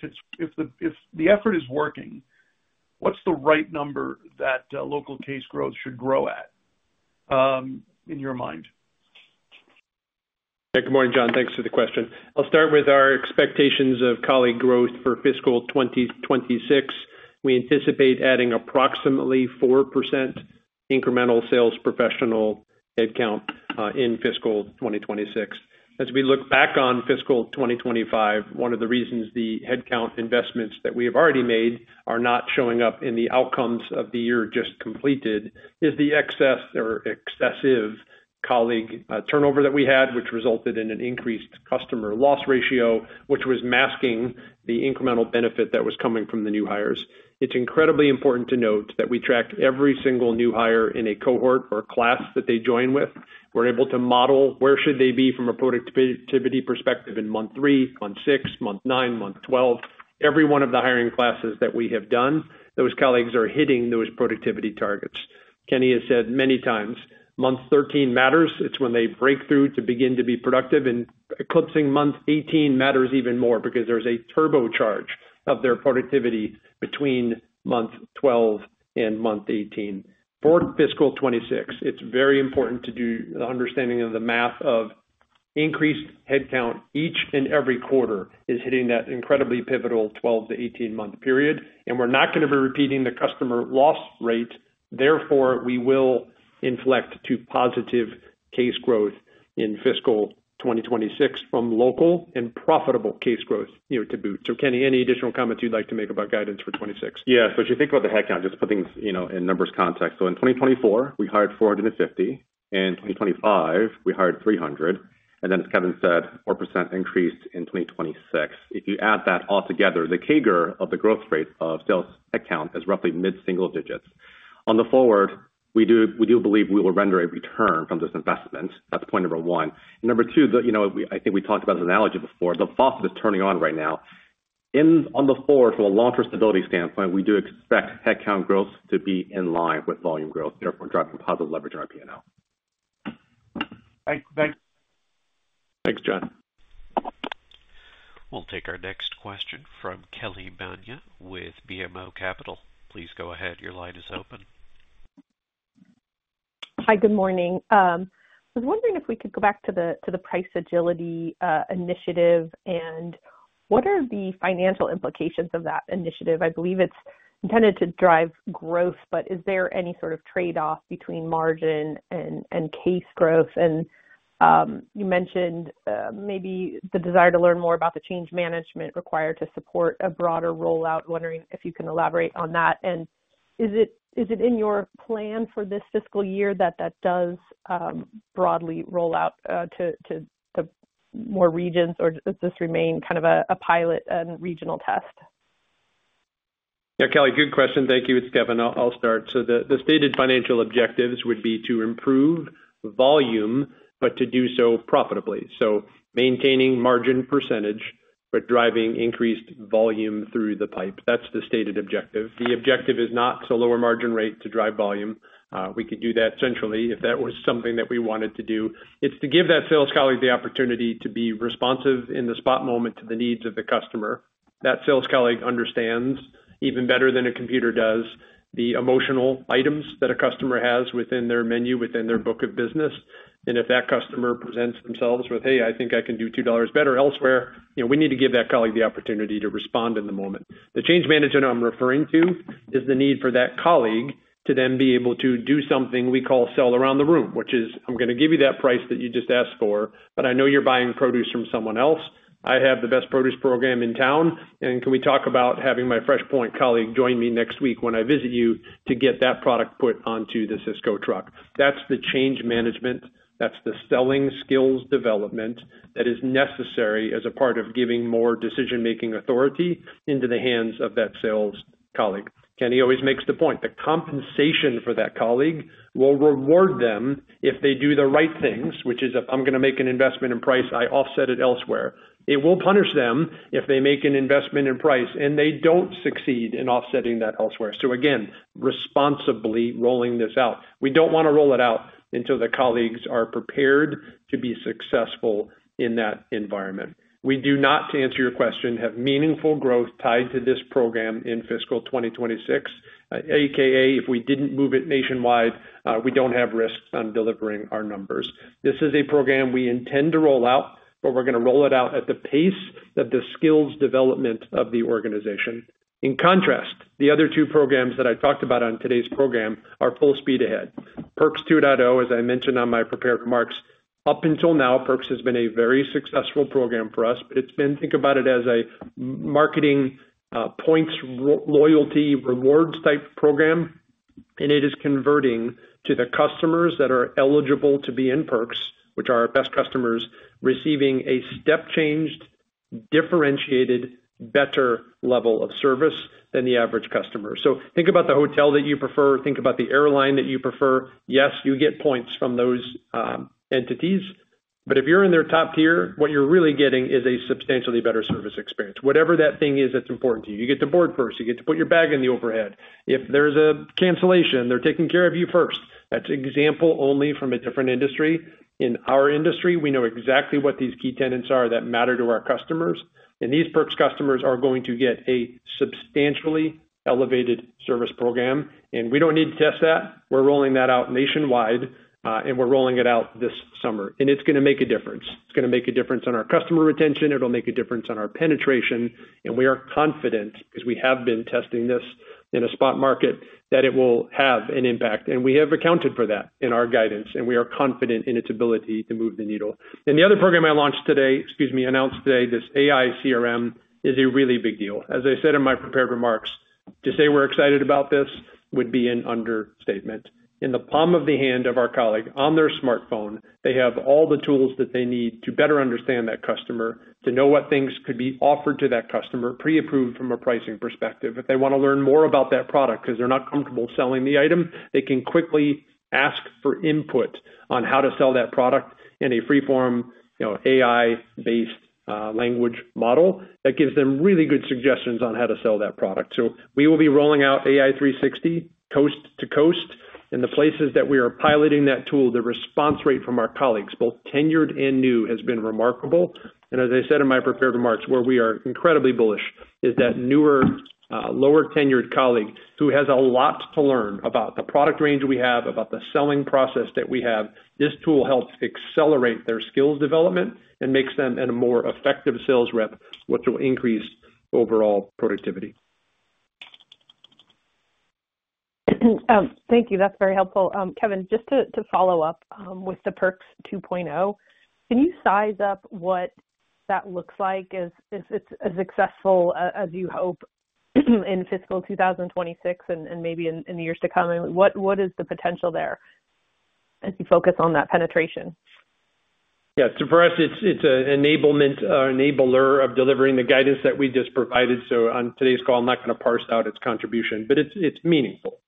the effort is working, what's the right number that local case growth should grow at, in your mind? Yeah. Good morning, John. Thanks for the question. I'll start with our expectations of colleague growth for fiscal 2026. We anticipate adding approximately 4% incremental sales professional headcount in fiscal 2026. As we look back on fiscal 2025, one of the reasons the headcount investments that we have already made are not showing up in the outcomes of the year just completed is the excess or excessive colleague turnover that we had, which resulted in an increased customer loss ratio, which was masking the incremental benefit that was coming from the new hires. It's incredibly important to note that we track every single new hire in a cohort or class that they join with. We're able to model where should they be from a productivity perspective in month three, month six, month nine, month twelve. Every one of the hiring classes that we have done, those colleagues are hitting those productivity targets. Kenny has said many times, month 13 matters. It's when they break through to begin to be productive. And eclipsing month 18 matters even more because there's a turbocharge of their productivity between month 12 and month 18. For fiscal 2026, it's very important to do the understanding of the math of increased headcount each and every quarter is hitting that incredibly pivotal 12 to 18-month period. And we're not going to be repeating the customer loss rate. Therefore, we will inflect to positive case growth in fiscal 2026 from local and profitable case growth year to boot. So, Kenny, any additional comments you'd like to make about guidance for 2026? Yeah. So if you think about the headcount, just putting it in numbers context. So in 2024, we hired 450. In 2025, we hired 300. And then, as Kevin said, 4% increase in 2026. If you add that all together, the CAGR of the growth rate of sales headcount is roughly mid-single digits. On the forward, we do believe we will render a return from this investment. That's point number one. Number two, I think we talked about this analogy before. The faucet is turning on right now. On the forward, from a long-term stability standpoint, we do expect headcount growth to be in line with volume growth, therefore driving positive leverage in our P&L. Thanks. Thanks. Thanks, John. We'll take our next question from Kelly Bania with BMO Capital. Please go ahead. Your line is open. Hi. Good morning. I was wondering if we could go back to the price agility initiative and what are the financial implications of that initiative. I believe it's intended to drive growth, but is there any sort of trade-off between margin and case growth? You mentioned maybe the desire to learn more about the change management required to support a broader rollout. Wondering if you can elaborate on that. Is it in your plan for this fiscal year that that does broadly roll out to more regions, or does this remain kind of a pilot and regional test? Yeah. Kelly, good question. Thank you. It's Kevin. I'll start. The stated financial objectives would be to improve volume, but to do so profitably. Maintaining margin percentage, but driving increased volume through the pipe. That's the stated objective. The objective is not to lower margin rate to drive volume. We could do that centrally if that was something that we wanted to do. It's to give that sales colleague the opportunity to be responsive in the spot moment to the needs of the customer. That sales colleague understands even better than a computer does the emotional items that a customer has within their menu, within their book of business. If that customer presents themselves with, "Hey, I think I can do $2 better elsewhere," we need to give that colleague the opportunity to respond in the moment. The change management I'm referring to is the need for that colleague to then be able to do something we call sell around the room, which is, "I'm going to give you that price that you just asked for, but I know you're buying produce from someone else. I have the best produce program in town. Can we talk about having my FreshPoint colleague join me next week when I visit you to get that product put onto the Sysco truck?" That's the change management. That's the selling skills development that is necessary as a part of giving more decision-making authority into the hands of that sales colleague. Kenny always makes the point that compensation for that colleague will reward them if they do the right things, which is, "If I'm going to make an investment in price, I offset it elsewhere." It will punish them if they make an investment in price and they do not succeed in offsetting that elsewhere. Again, responsibly rolling this out. We do not want to roll it out until the colleagues are prepared to be successful in that environment. We do not, to answer your question, have meaningful growth tied to this program in fiscal 2026, a.k.a. if we did not move it nationwide, we do not have risks on delivering our numbers. This is a program we intend to roll out, but we are going to roll it out at the pace of the skills development of the organization. In contrast, the other two programs that I talked about on today's program are full speed ahead. Perks 2.0, as I mentioned on my prepared remarks, up until now, Perks has been a very successful program for us. Think about it as a marketing points, loyalty, rewards-type program. It is converting to the customers that are eligible to be in Perks, which are our best customers, receiving a step-changed, differentiated, better level of service than the average customer. Think about the hotel that you prefer. Think about the airline that you prefer. Yes, you get points from those entities. If you are in their top tier, what you are really getting is a substantially better service experience. Whatever that thing is that is important to you. You get to board first. You get to put your bag in the overhead. If there is a cancellation, they are taking care of you first. That is an example only from a different industry. In our industry, we know exactly what these key tenets are that matter to our customers. These Perks customers are going to get a substantially elevated service program. We do not need to test that. We are rolling that out nationwide, and we are rolling it out this summer. It is going to make a difference. It is going to make a difference on our customer retention. It will make a difference on our penetration. We are confident, because we have been testing this in a spot market, that it will have an impact. We have accounted for that in our guidance, and we are confident in its ability to move the needle. The other program I announced today, this AI CRM, is a really big deal. As I said in my prepared remarks, to say we are excited about this would be an understatement. In the palm of the hand of our colleague, on their smartphone, they have all the tools that they need to better understand that customer, to know what things could be offered to that customer, pre-approved from a pricing perspective. If they want to learn more about that product because they're not comfortable selling the item, they can quickly ask for input on how to sell that product in a freeform, AI-based language model that gives them really good suggestions on how to sell that product. We will be rolling out AI360 coast to coast. In the places that we are piloting that tool, the response rate from our colleagues, both tenured and new, has been remarkable. As I said in my prepared remarks, where we are incredibly bullish is that newer, lower-tenured colleague who has a lot to learn about the product range we have, about the selling process that we have. This tool helps accelerate their skills development and makes them a more effective sales rep, which will increase overall productivity. Thank you. That's very helpful. Kevin, just to follow up with the Perks 2.0, can you size up what that looks like? Is it as successful as you hope in fiscal 2026 and maybe in the years to come? What is the potential there as you focus on that penetration? Yeah. For us, it's an enabler of delivering the guidance that we just provided. On today's call, I'm not going to parse out its contribution, but it's meaningful.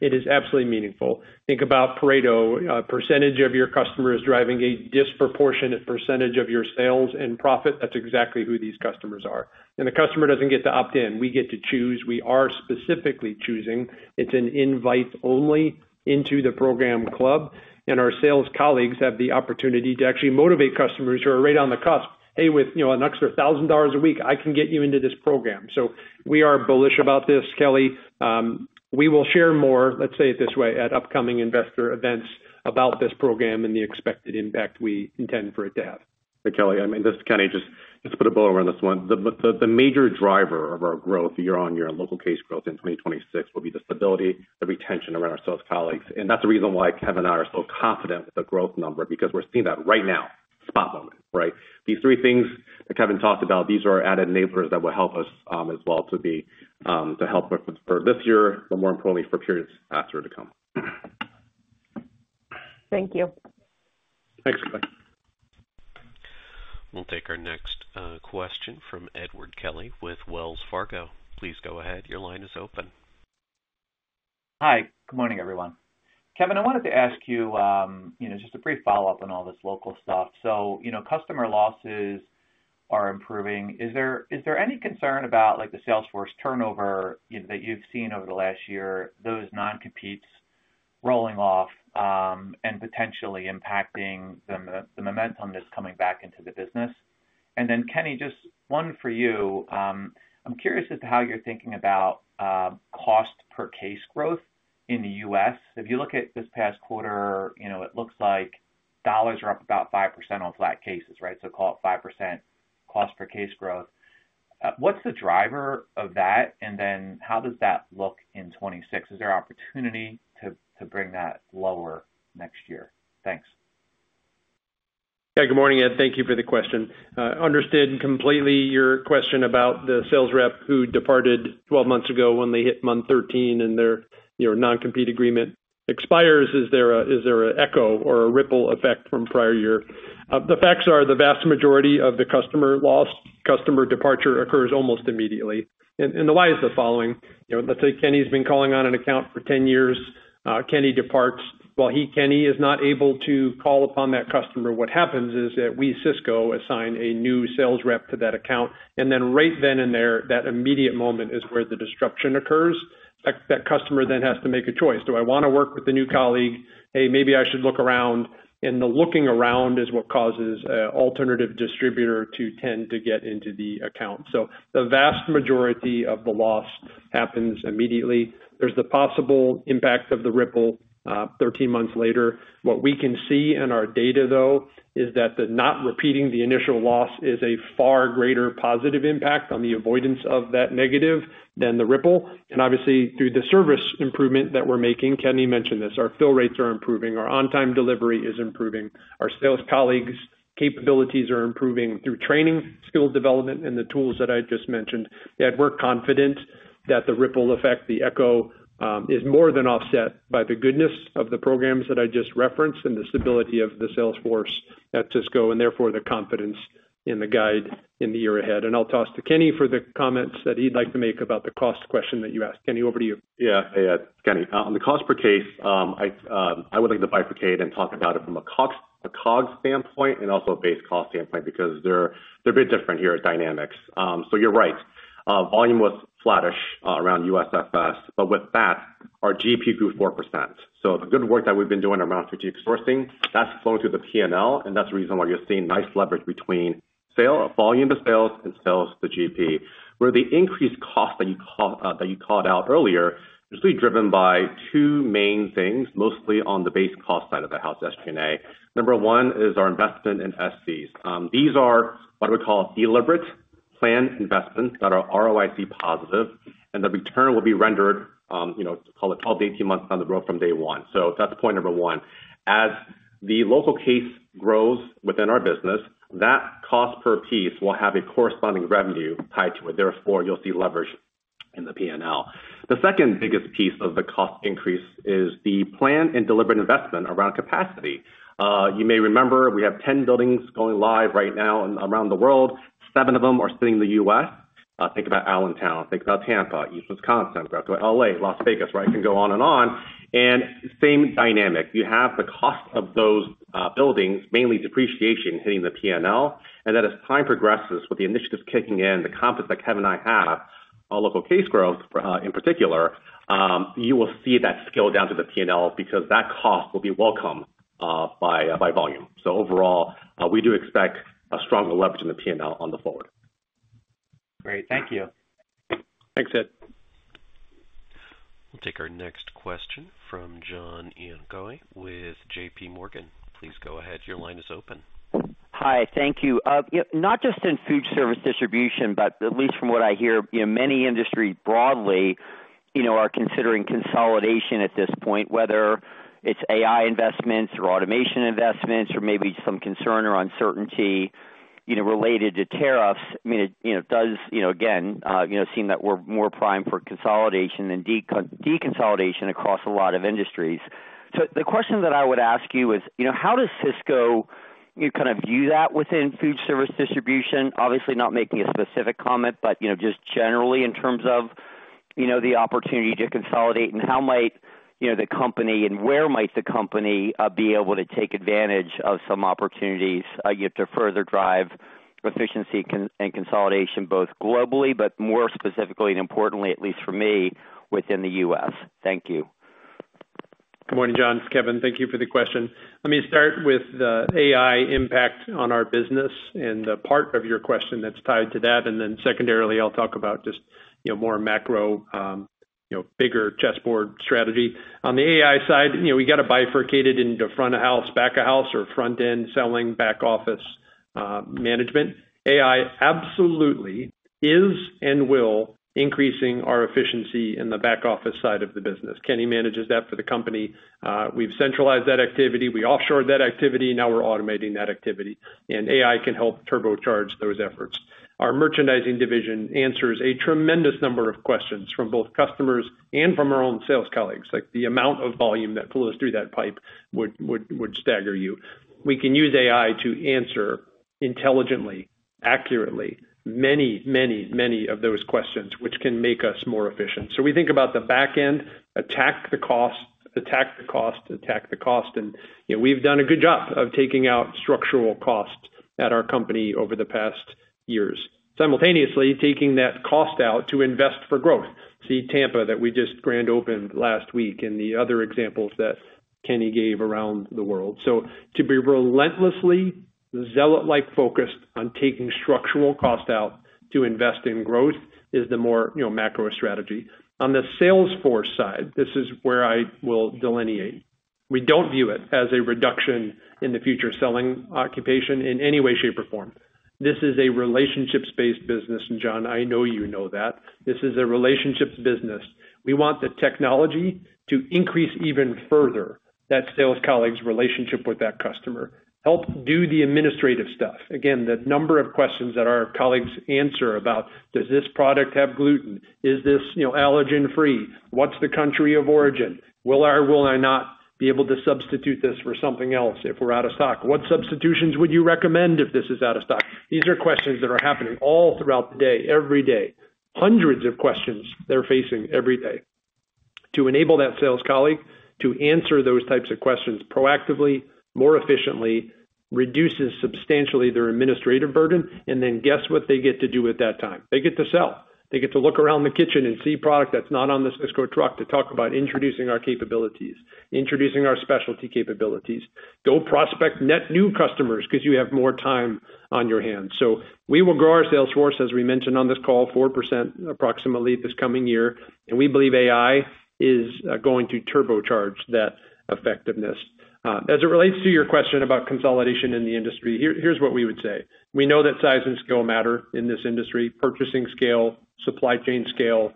It is absolutely meaningful. Think about Pareto. A percentage of your customers driving a disproportionate percentage of your sales and profit, that's exactly who these customers are. The customer doesn't get to opt in. We get to choose. We are specifically choosing. It's an invite only into the program club. Our sales colleagues have the opportunity to actually motivate customers who are right on the cusp. "Hey, with an extra $1,000 a week, I can get you into this program." We are bullish about this, Kelly. We will share more, let's say it this way, at upcoming investor events about this program and the expected impact we intend for it to have. Hey, Kelly. I mean, this is Kenny. Just put a bow around this one. The major driver of our growth year-on-year and local case growth in 2026 will be the stability, the retention around our sales colleagues. That's the reason why Kevin and I are so confident with the growth number, because we're seeing that right now, spot moment, right? These three things that Kevin talked about, these are added enablers that will help us as well to help for this year, but more importantly, for periods after to come. Thank you. Thanks. Bye. We'll take our next question from Edward Kelly with Wells Fargo. Please go ahead. Your line is open. Hi. Good morning, everyone. Kevin, I wanted to ask you just a brief follow-up on all this local stuff. Customer losses are improving. Is there any concern about the Salesforce turnover that you've seen over the last year, those non-competes rolling off, and potentially impacting the momentum that's coming back into the business? And then, Kenny, just one for you. I'm curious as to how you're thinking about cost per case growth in the US. If you look at this past quarter, it looks like dollars are up about 5% on flat cases, right? So call it 5% cost per case growth. What's the driver of that? And then how does that look in 2026? Is there opportunity to bring that lower next year? Thanks. Yeah. Good morning. And thank you for the question. Understood completely your question about the sales rep who departed 12 months ago when they hit month 13 and their non-compete agreement expires. Is there an echo or a ripple effect from prior year? The facts are the vast majority of the customer loss, customer departure occurs almost immediately. The why is the following. Let's say Kenny's been calling on an account for 10 years. Kenny departs. While Kenny is not able to call upon that customer, what happens is that we Sysco assign a new sales rep to that account. Right then and there, that immediate moment is where the disruption occurs. That customer then has to make a choice. Do I want to work with the new colleague? Hey, maybe I should look around. The looking around is what causes an alternative distributor to tend to get into the account. The vast majority of the loss happens immediately. There is the possible impact of the ripple 13 months later. What we can see in our data, though, is that not repeating the initial loss is a far greater positive impact on the avoidance of that negative than the ripple. Obviously, through the service improvement that we're making, Kenny mentioned this, our fill rates are improving, our on-time delivery is improving, our sales colleagues' capabilities are improving through training, skill development, and the tools that I just mentioned. We're confident that the ripple effect, the echo, is more than offset by the goodness of the programs that I just referenced and the stability of the Salesforce at Sysco and therefore the confidence in the guide in the year ahead. I'll toss to Kenny for the comments that he'd like to make about the cost question that you asked. Kenny, over to you. Yeah. Hey, Kenny. On the cost per case, I would like to bifurcate and talk about it from a COGS standpoint and also a base cost standpoint because they're a bit different here at Dynamics. You're right. Volume was flattish around USFS, but with that, our GP grew 4%. The good work that we've been doing around strategic sourcing, that's flowing through the P&L, and that's the reason why you're seeing nice leverage between volume to sales and sales to GP. Where the increased cost that you called out earlier is really driven by two main things, mostly on the base cost side of the house SG&A. Number one is our investment in SCs. These are what we call deliberate planned investments that are ROIC positive, and the return will be rendered, call it 12 to 18 months down the road from day one. That's point number one. As the local case grows within our business, that cost per piece will have a corresponding revenue tied to it. Therefore, you'll see leverage in the P&L. The second biggest piece of the cost increase is the planned and deliberate investment around capacity. You may remember we have 10 buildings going live right now around the world. Seven of them are sitting in the U.S. Think about Allentown. Think about Tampa, East Wisconsin, Braco, Los Angeles, Las Vegas, right? You can go on and on. Same dynamic. You have the cost of those buildings, mainly depreciation hitting the P&L. Then as time progresses, with the initiatives kicking in, the confidence that Kevin and I have, local case growth in particular. You will see that scale down to the P&L because that cost will be welcomed by volume. Overall, we do expect a stronger leverage in the P&L on the forward. Great. Thank you. Thanks, Ed. We'll take our next question from John Ivankoe with JP Morgan. Please go ahead. Your line is open. Hi. Thank you. Not just in food service distribution, but at least from what I hear, many industries broadly are considering consolidation at this point, whether it's AI investments or automation investments or maybe some concern or uncertainty related to tariffs.I mean, it does, again, seem that we're more primed for consolidation and deconsolidation across a lot of industries. The question that I would ask you is, how does Sysco kind of view that within food service distribution? Obviously, not making a specific comment, but just generally in terms of the opportunity to consolidate and how might the company and where might the company be able to take advantage of some opportunities to further drive efficiency and consolidation both globally, but more specifically and importantly, at least for me, within the U.S.? Thank you. Good morning, John. It's Kevin. Thank you for the question. Let me start with the AI impact on our business and the part of your question that's tied to that. Then secondarily, I'll talk about just more macro, bigger chessboard strategy. On the AI side, we got to bifurcate it into front-of-house, back-of-house, or front-end selling, back-office management. AI absolutely is and will increase our efficiency in the back-office side of the business. Kenny manages that for the company. We've centralized that activity. We offshored that activity. Now we're automating that activity. AI can help turbocharge those efforts. Our merchandising division answers a tremendous number of questions from both customers and from our own sales colleagues. The amount of volume that flows through that pipe would stagger you. We can use AI to answer intelligently, accurately, many, many, many of those questions, which can make us more efficient. We think about the back end, attack the cost, attack the cost, attack the cost. We've done a good job of taking out structural costs at our company over the past years, simultaneously taking that cost out to invest for growth. See Tampa that we just grand opened last week and the other examples that Kenny gave around the world. To be relentlessly zealot-like focused on taking structural cost out to invest in growth is the more macro strategy. On the Salesforce side, this is where I will delineate. We don't view it as a reduction in the future selling occupation in any way, shape, or form. This is a relationships-based business, and John, I know you know that. This is a relationships business. We want the technology to increase even further that sales colleague's relationship with that customer. Help do the administrative stuff. Again, the number of questions that our colleagues answer about, "Does this product have gluten? Is this allergen-free? What's the country of origin? Will I or will I not be able to substitute this for something else if we're out of stock? What substitutions would you recommend if this is out of stock? These are questions that are happening all throughout the day, every day. Hundreds of questions they're facing every day. To enable that sales colleague to answer those types of questions proactively, more efficiently, reduces substantially their administrative burden. Then guess what they get to do at that time? They get to sell. They get to look around the kitchen and see product that's not on the Sysco truck to talk about introducing our capabilities, introducing our specialty capabilities, go prospect net new customers because you have more time on your hands. We will grow our Salesforce, as we mentioned on this call, 4% approximately this coming year. We believe AI is going to turbocharge that effectiveness. As it relates to your question about consolidation in the industry, here's what we would say. We know that size and scale matter in this industry. Purchasing scale, supply chain scale,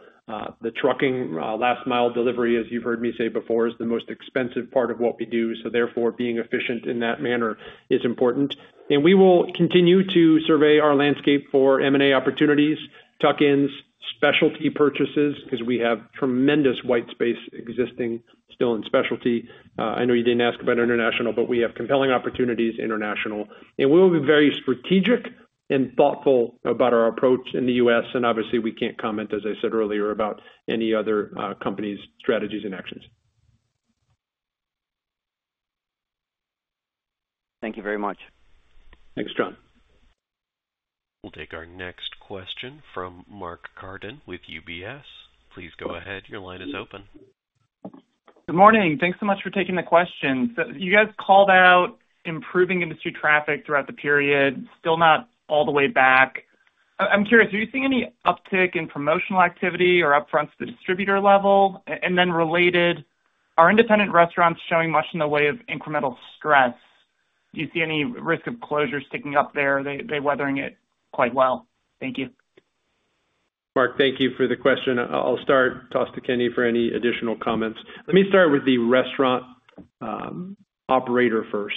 the trucking last-mile delivery, as you've heard me say before, is the most expensive part of what we do. Therefore, being efficient in that manner is important. We will continue to survey our landscape for M&A opportunities, tuck-ins, specialty purchases, because we have tremendous white space existing still in specialty. I know you didn't ask about international, but we have compelling opportunities internationally. We will be very strategic and thoughtful about our approach in the US. Obviously, we can't comment, as I said earlier, about any other companies' strategies and actions. Thank you very much. Thanks, John. We'll take our next question from Mark Carden with UBS. Please go ahead. Your line is open. Good morning. Thanks so much for taking the question. You guys called out improving industry traffic throughout the period, still not all the way back. I'm curious, are you seeing any uptick in promotional activity or upfront to the distributor level? Then related, are independent restaurants showing much in the way of incremental stress? Do you see any risk of closures sticking up there? Are they weathering it quite well? Thank you. Mark, thank you for the question. I'll start, toss to Kenny for any additional comments. Let me start with the restaurant. Operator first.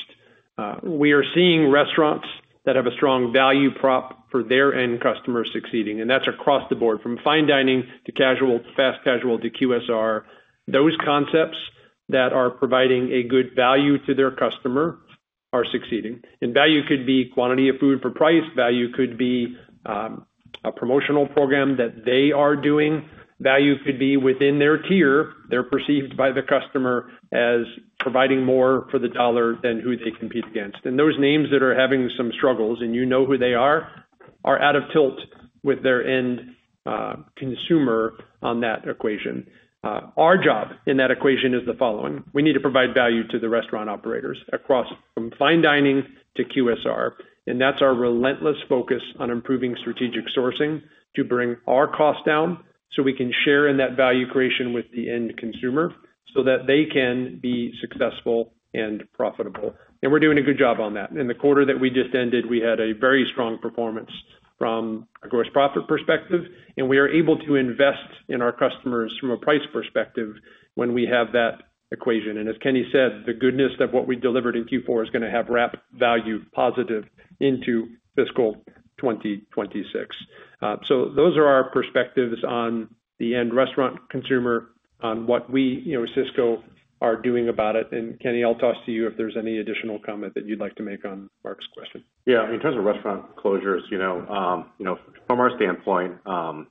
We are seeing restaurants that have a strong value prop for their end customer succeeding. That's across the board, from fine dining to fast casual to QSR. Those concepts that are providing a good value to their customer are succeeding. Value could be quantity of food for price. Value could be a promotional program that they are doing. Value could be within their tier, they're perceived by the customer as providing more for the dollar than who they compete against. Those names that are having some struggles, and you know who they are, are out of tilt with their end consumer on that equation. Our job in that equation is the following. We need to provide value to the restaurant operators across from fine dining to QSR. That's our relentless focus on improving strategic sourcing to bring our cost down so we can share in that value creation with the end consumer so that they can be successful and profitable. We're doing a good job on that. In the quarter that we just ended, we had a very strong performance from a gross profit perspective. We are able to invest in our customers from a price perspective when we have that equation. As Kenny said, the goodness of what we delivered in Q4 is going to have rapid value positive into fiscal 2026. Those are our perspectives on the end restaurant consumer, on what we at Sysco are doing about it. Kenny, I'll toss to you if there's any additional comment that you'd like to make on Mark's question. Yeah. In terms of restaurant closures, from our standpoint,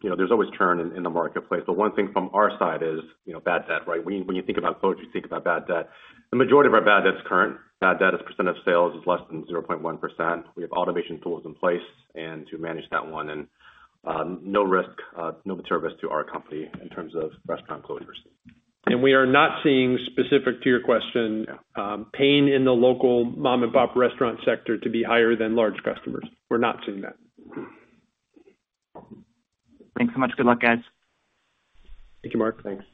there's always churn in the marketplace. One thing from our side is bad debt, right? When you think about closure, you think about bad debt. The majority of our bad debt is current. Bad debt as percent of sales is less than 0.1%. We have automation tools in place to manage that one. No risk, no service to our company in terms of restaurant closures. We are not seeing, specific to your question, pain in the local mom-and-pop restaurant sector to be higher than large customers. We're not seeing that. Thanks so much. Good luck, guys. Thank you, Mark. Thanks.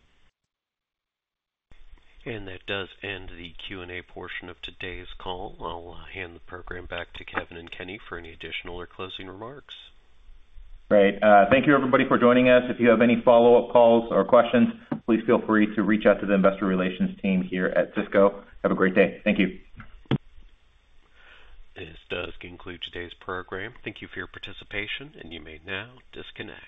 That does end the Q&A portion of today's call. I'll hand the program back to Kevin and Kenny for any additional or closing remarks. Great. Thank you, everybody, for joining us. If you have any follow-up calls or questions, please feel free to reach out to the investor relations team here at Sysco. Have a great day. Thank you. This does conclude today's program. Thank you for your participation, and you may now disconnect.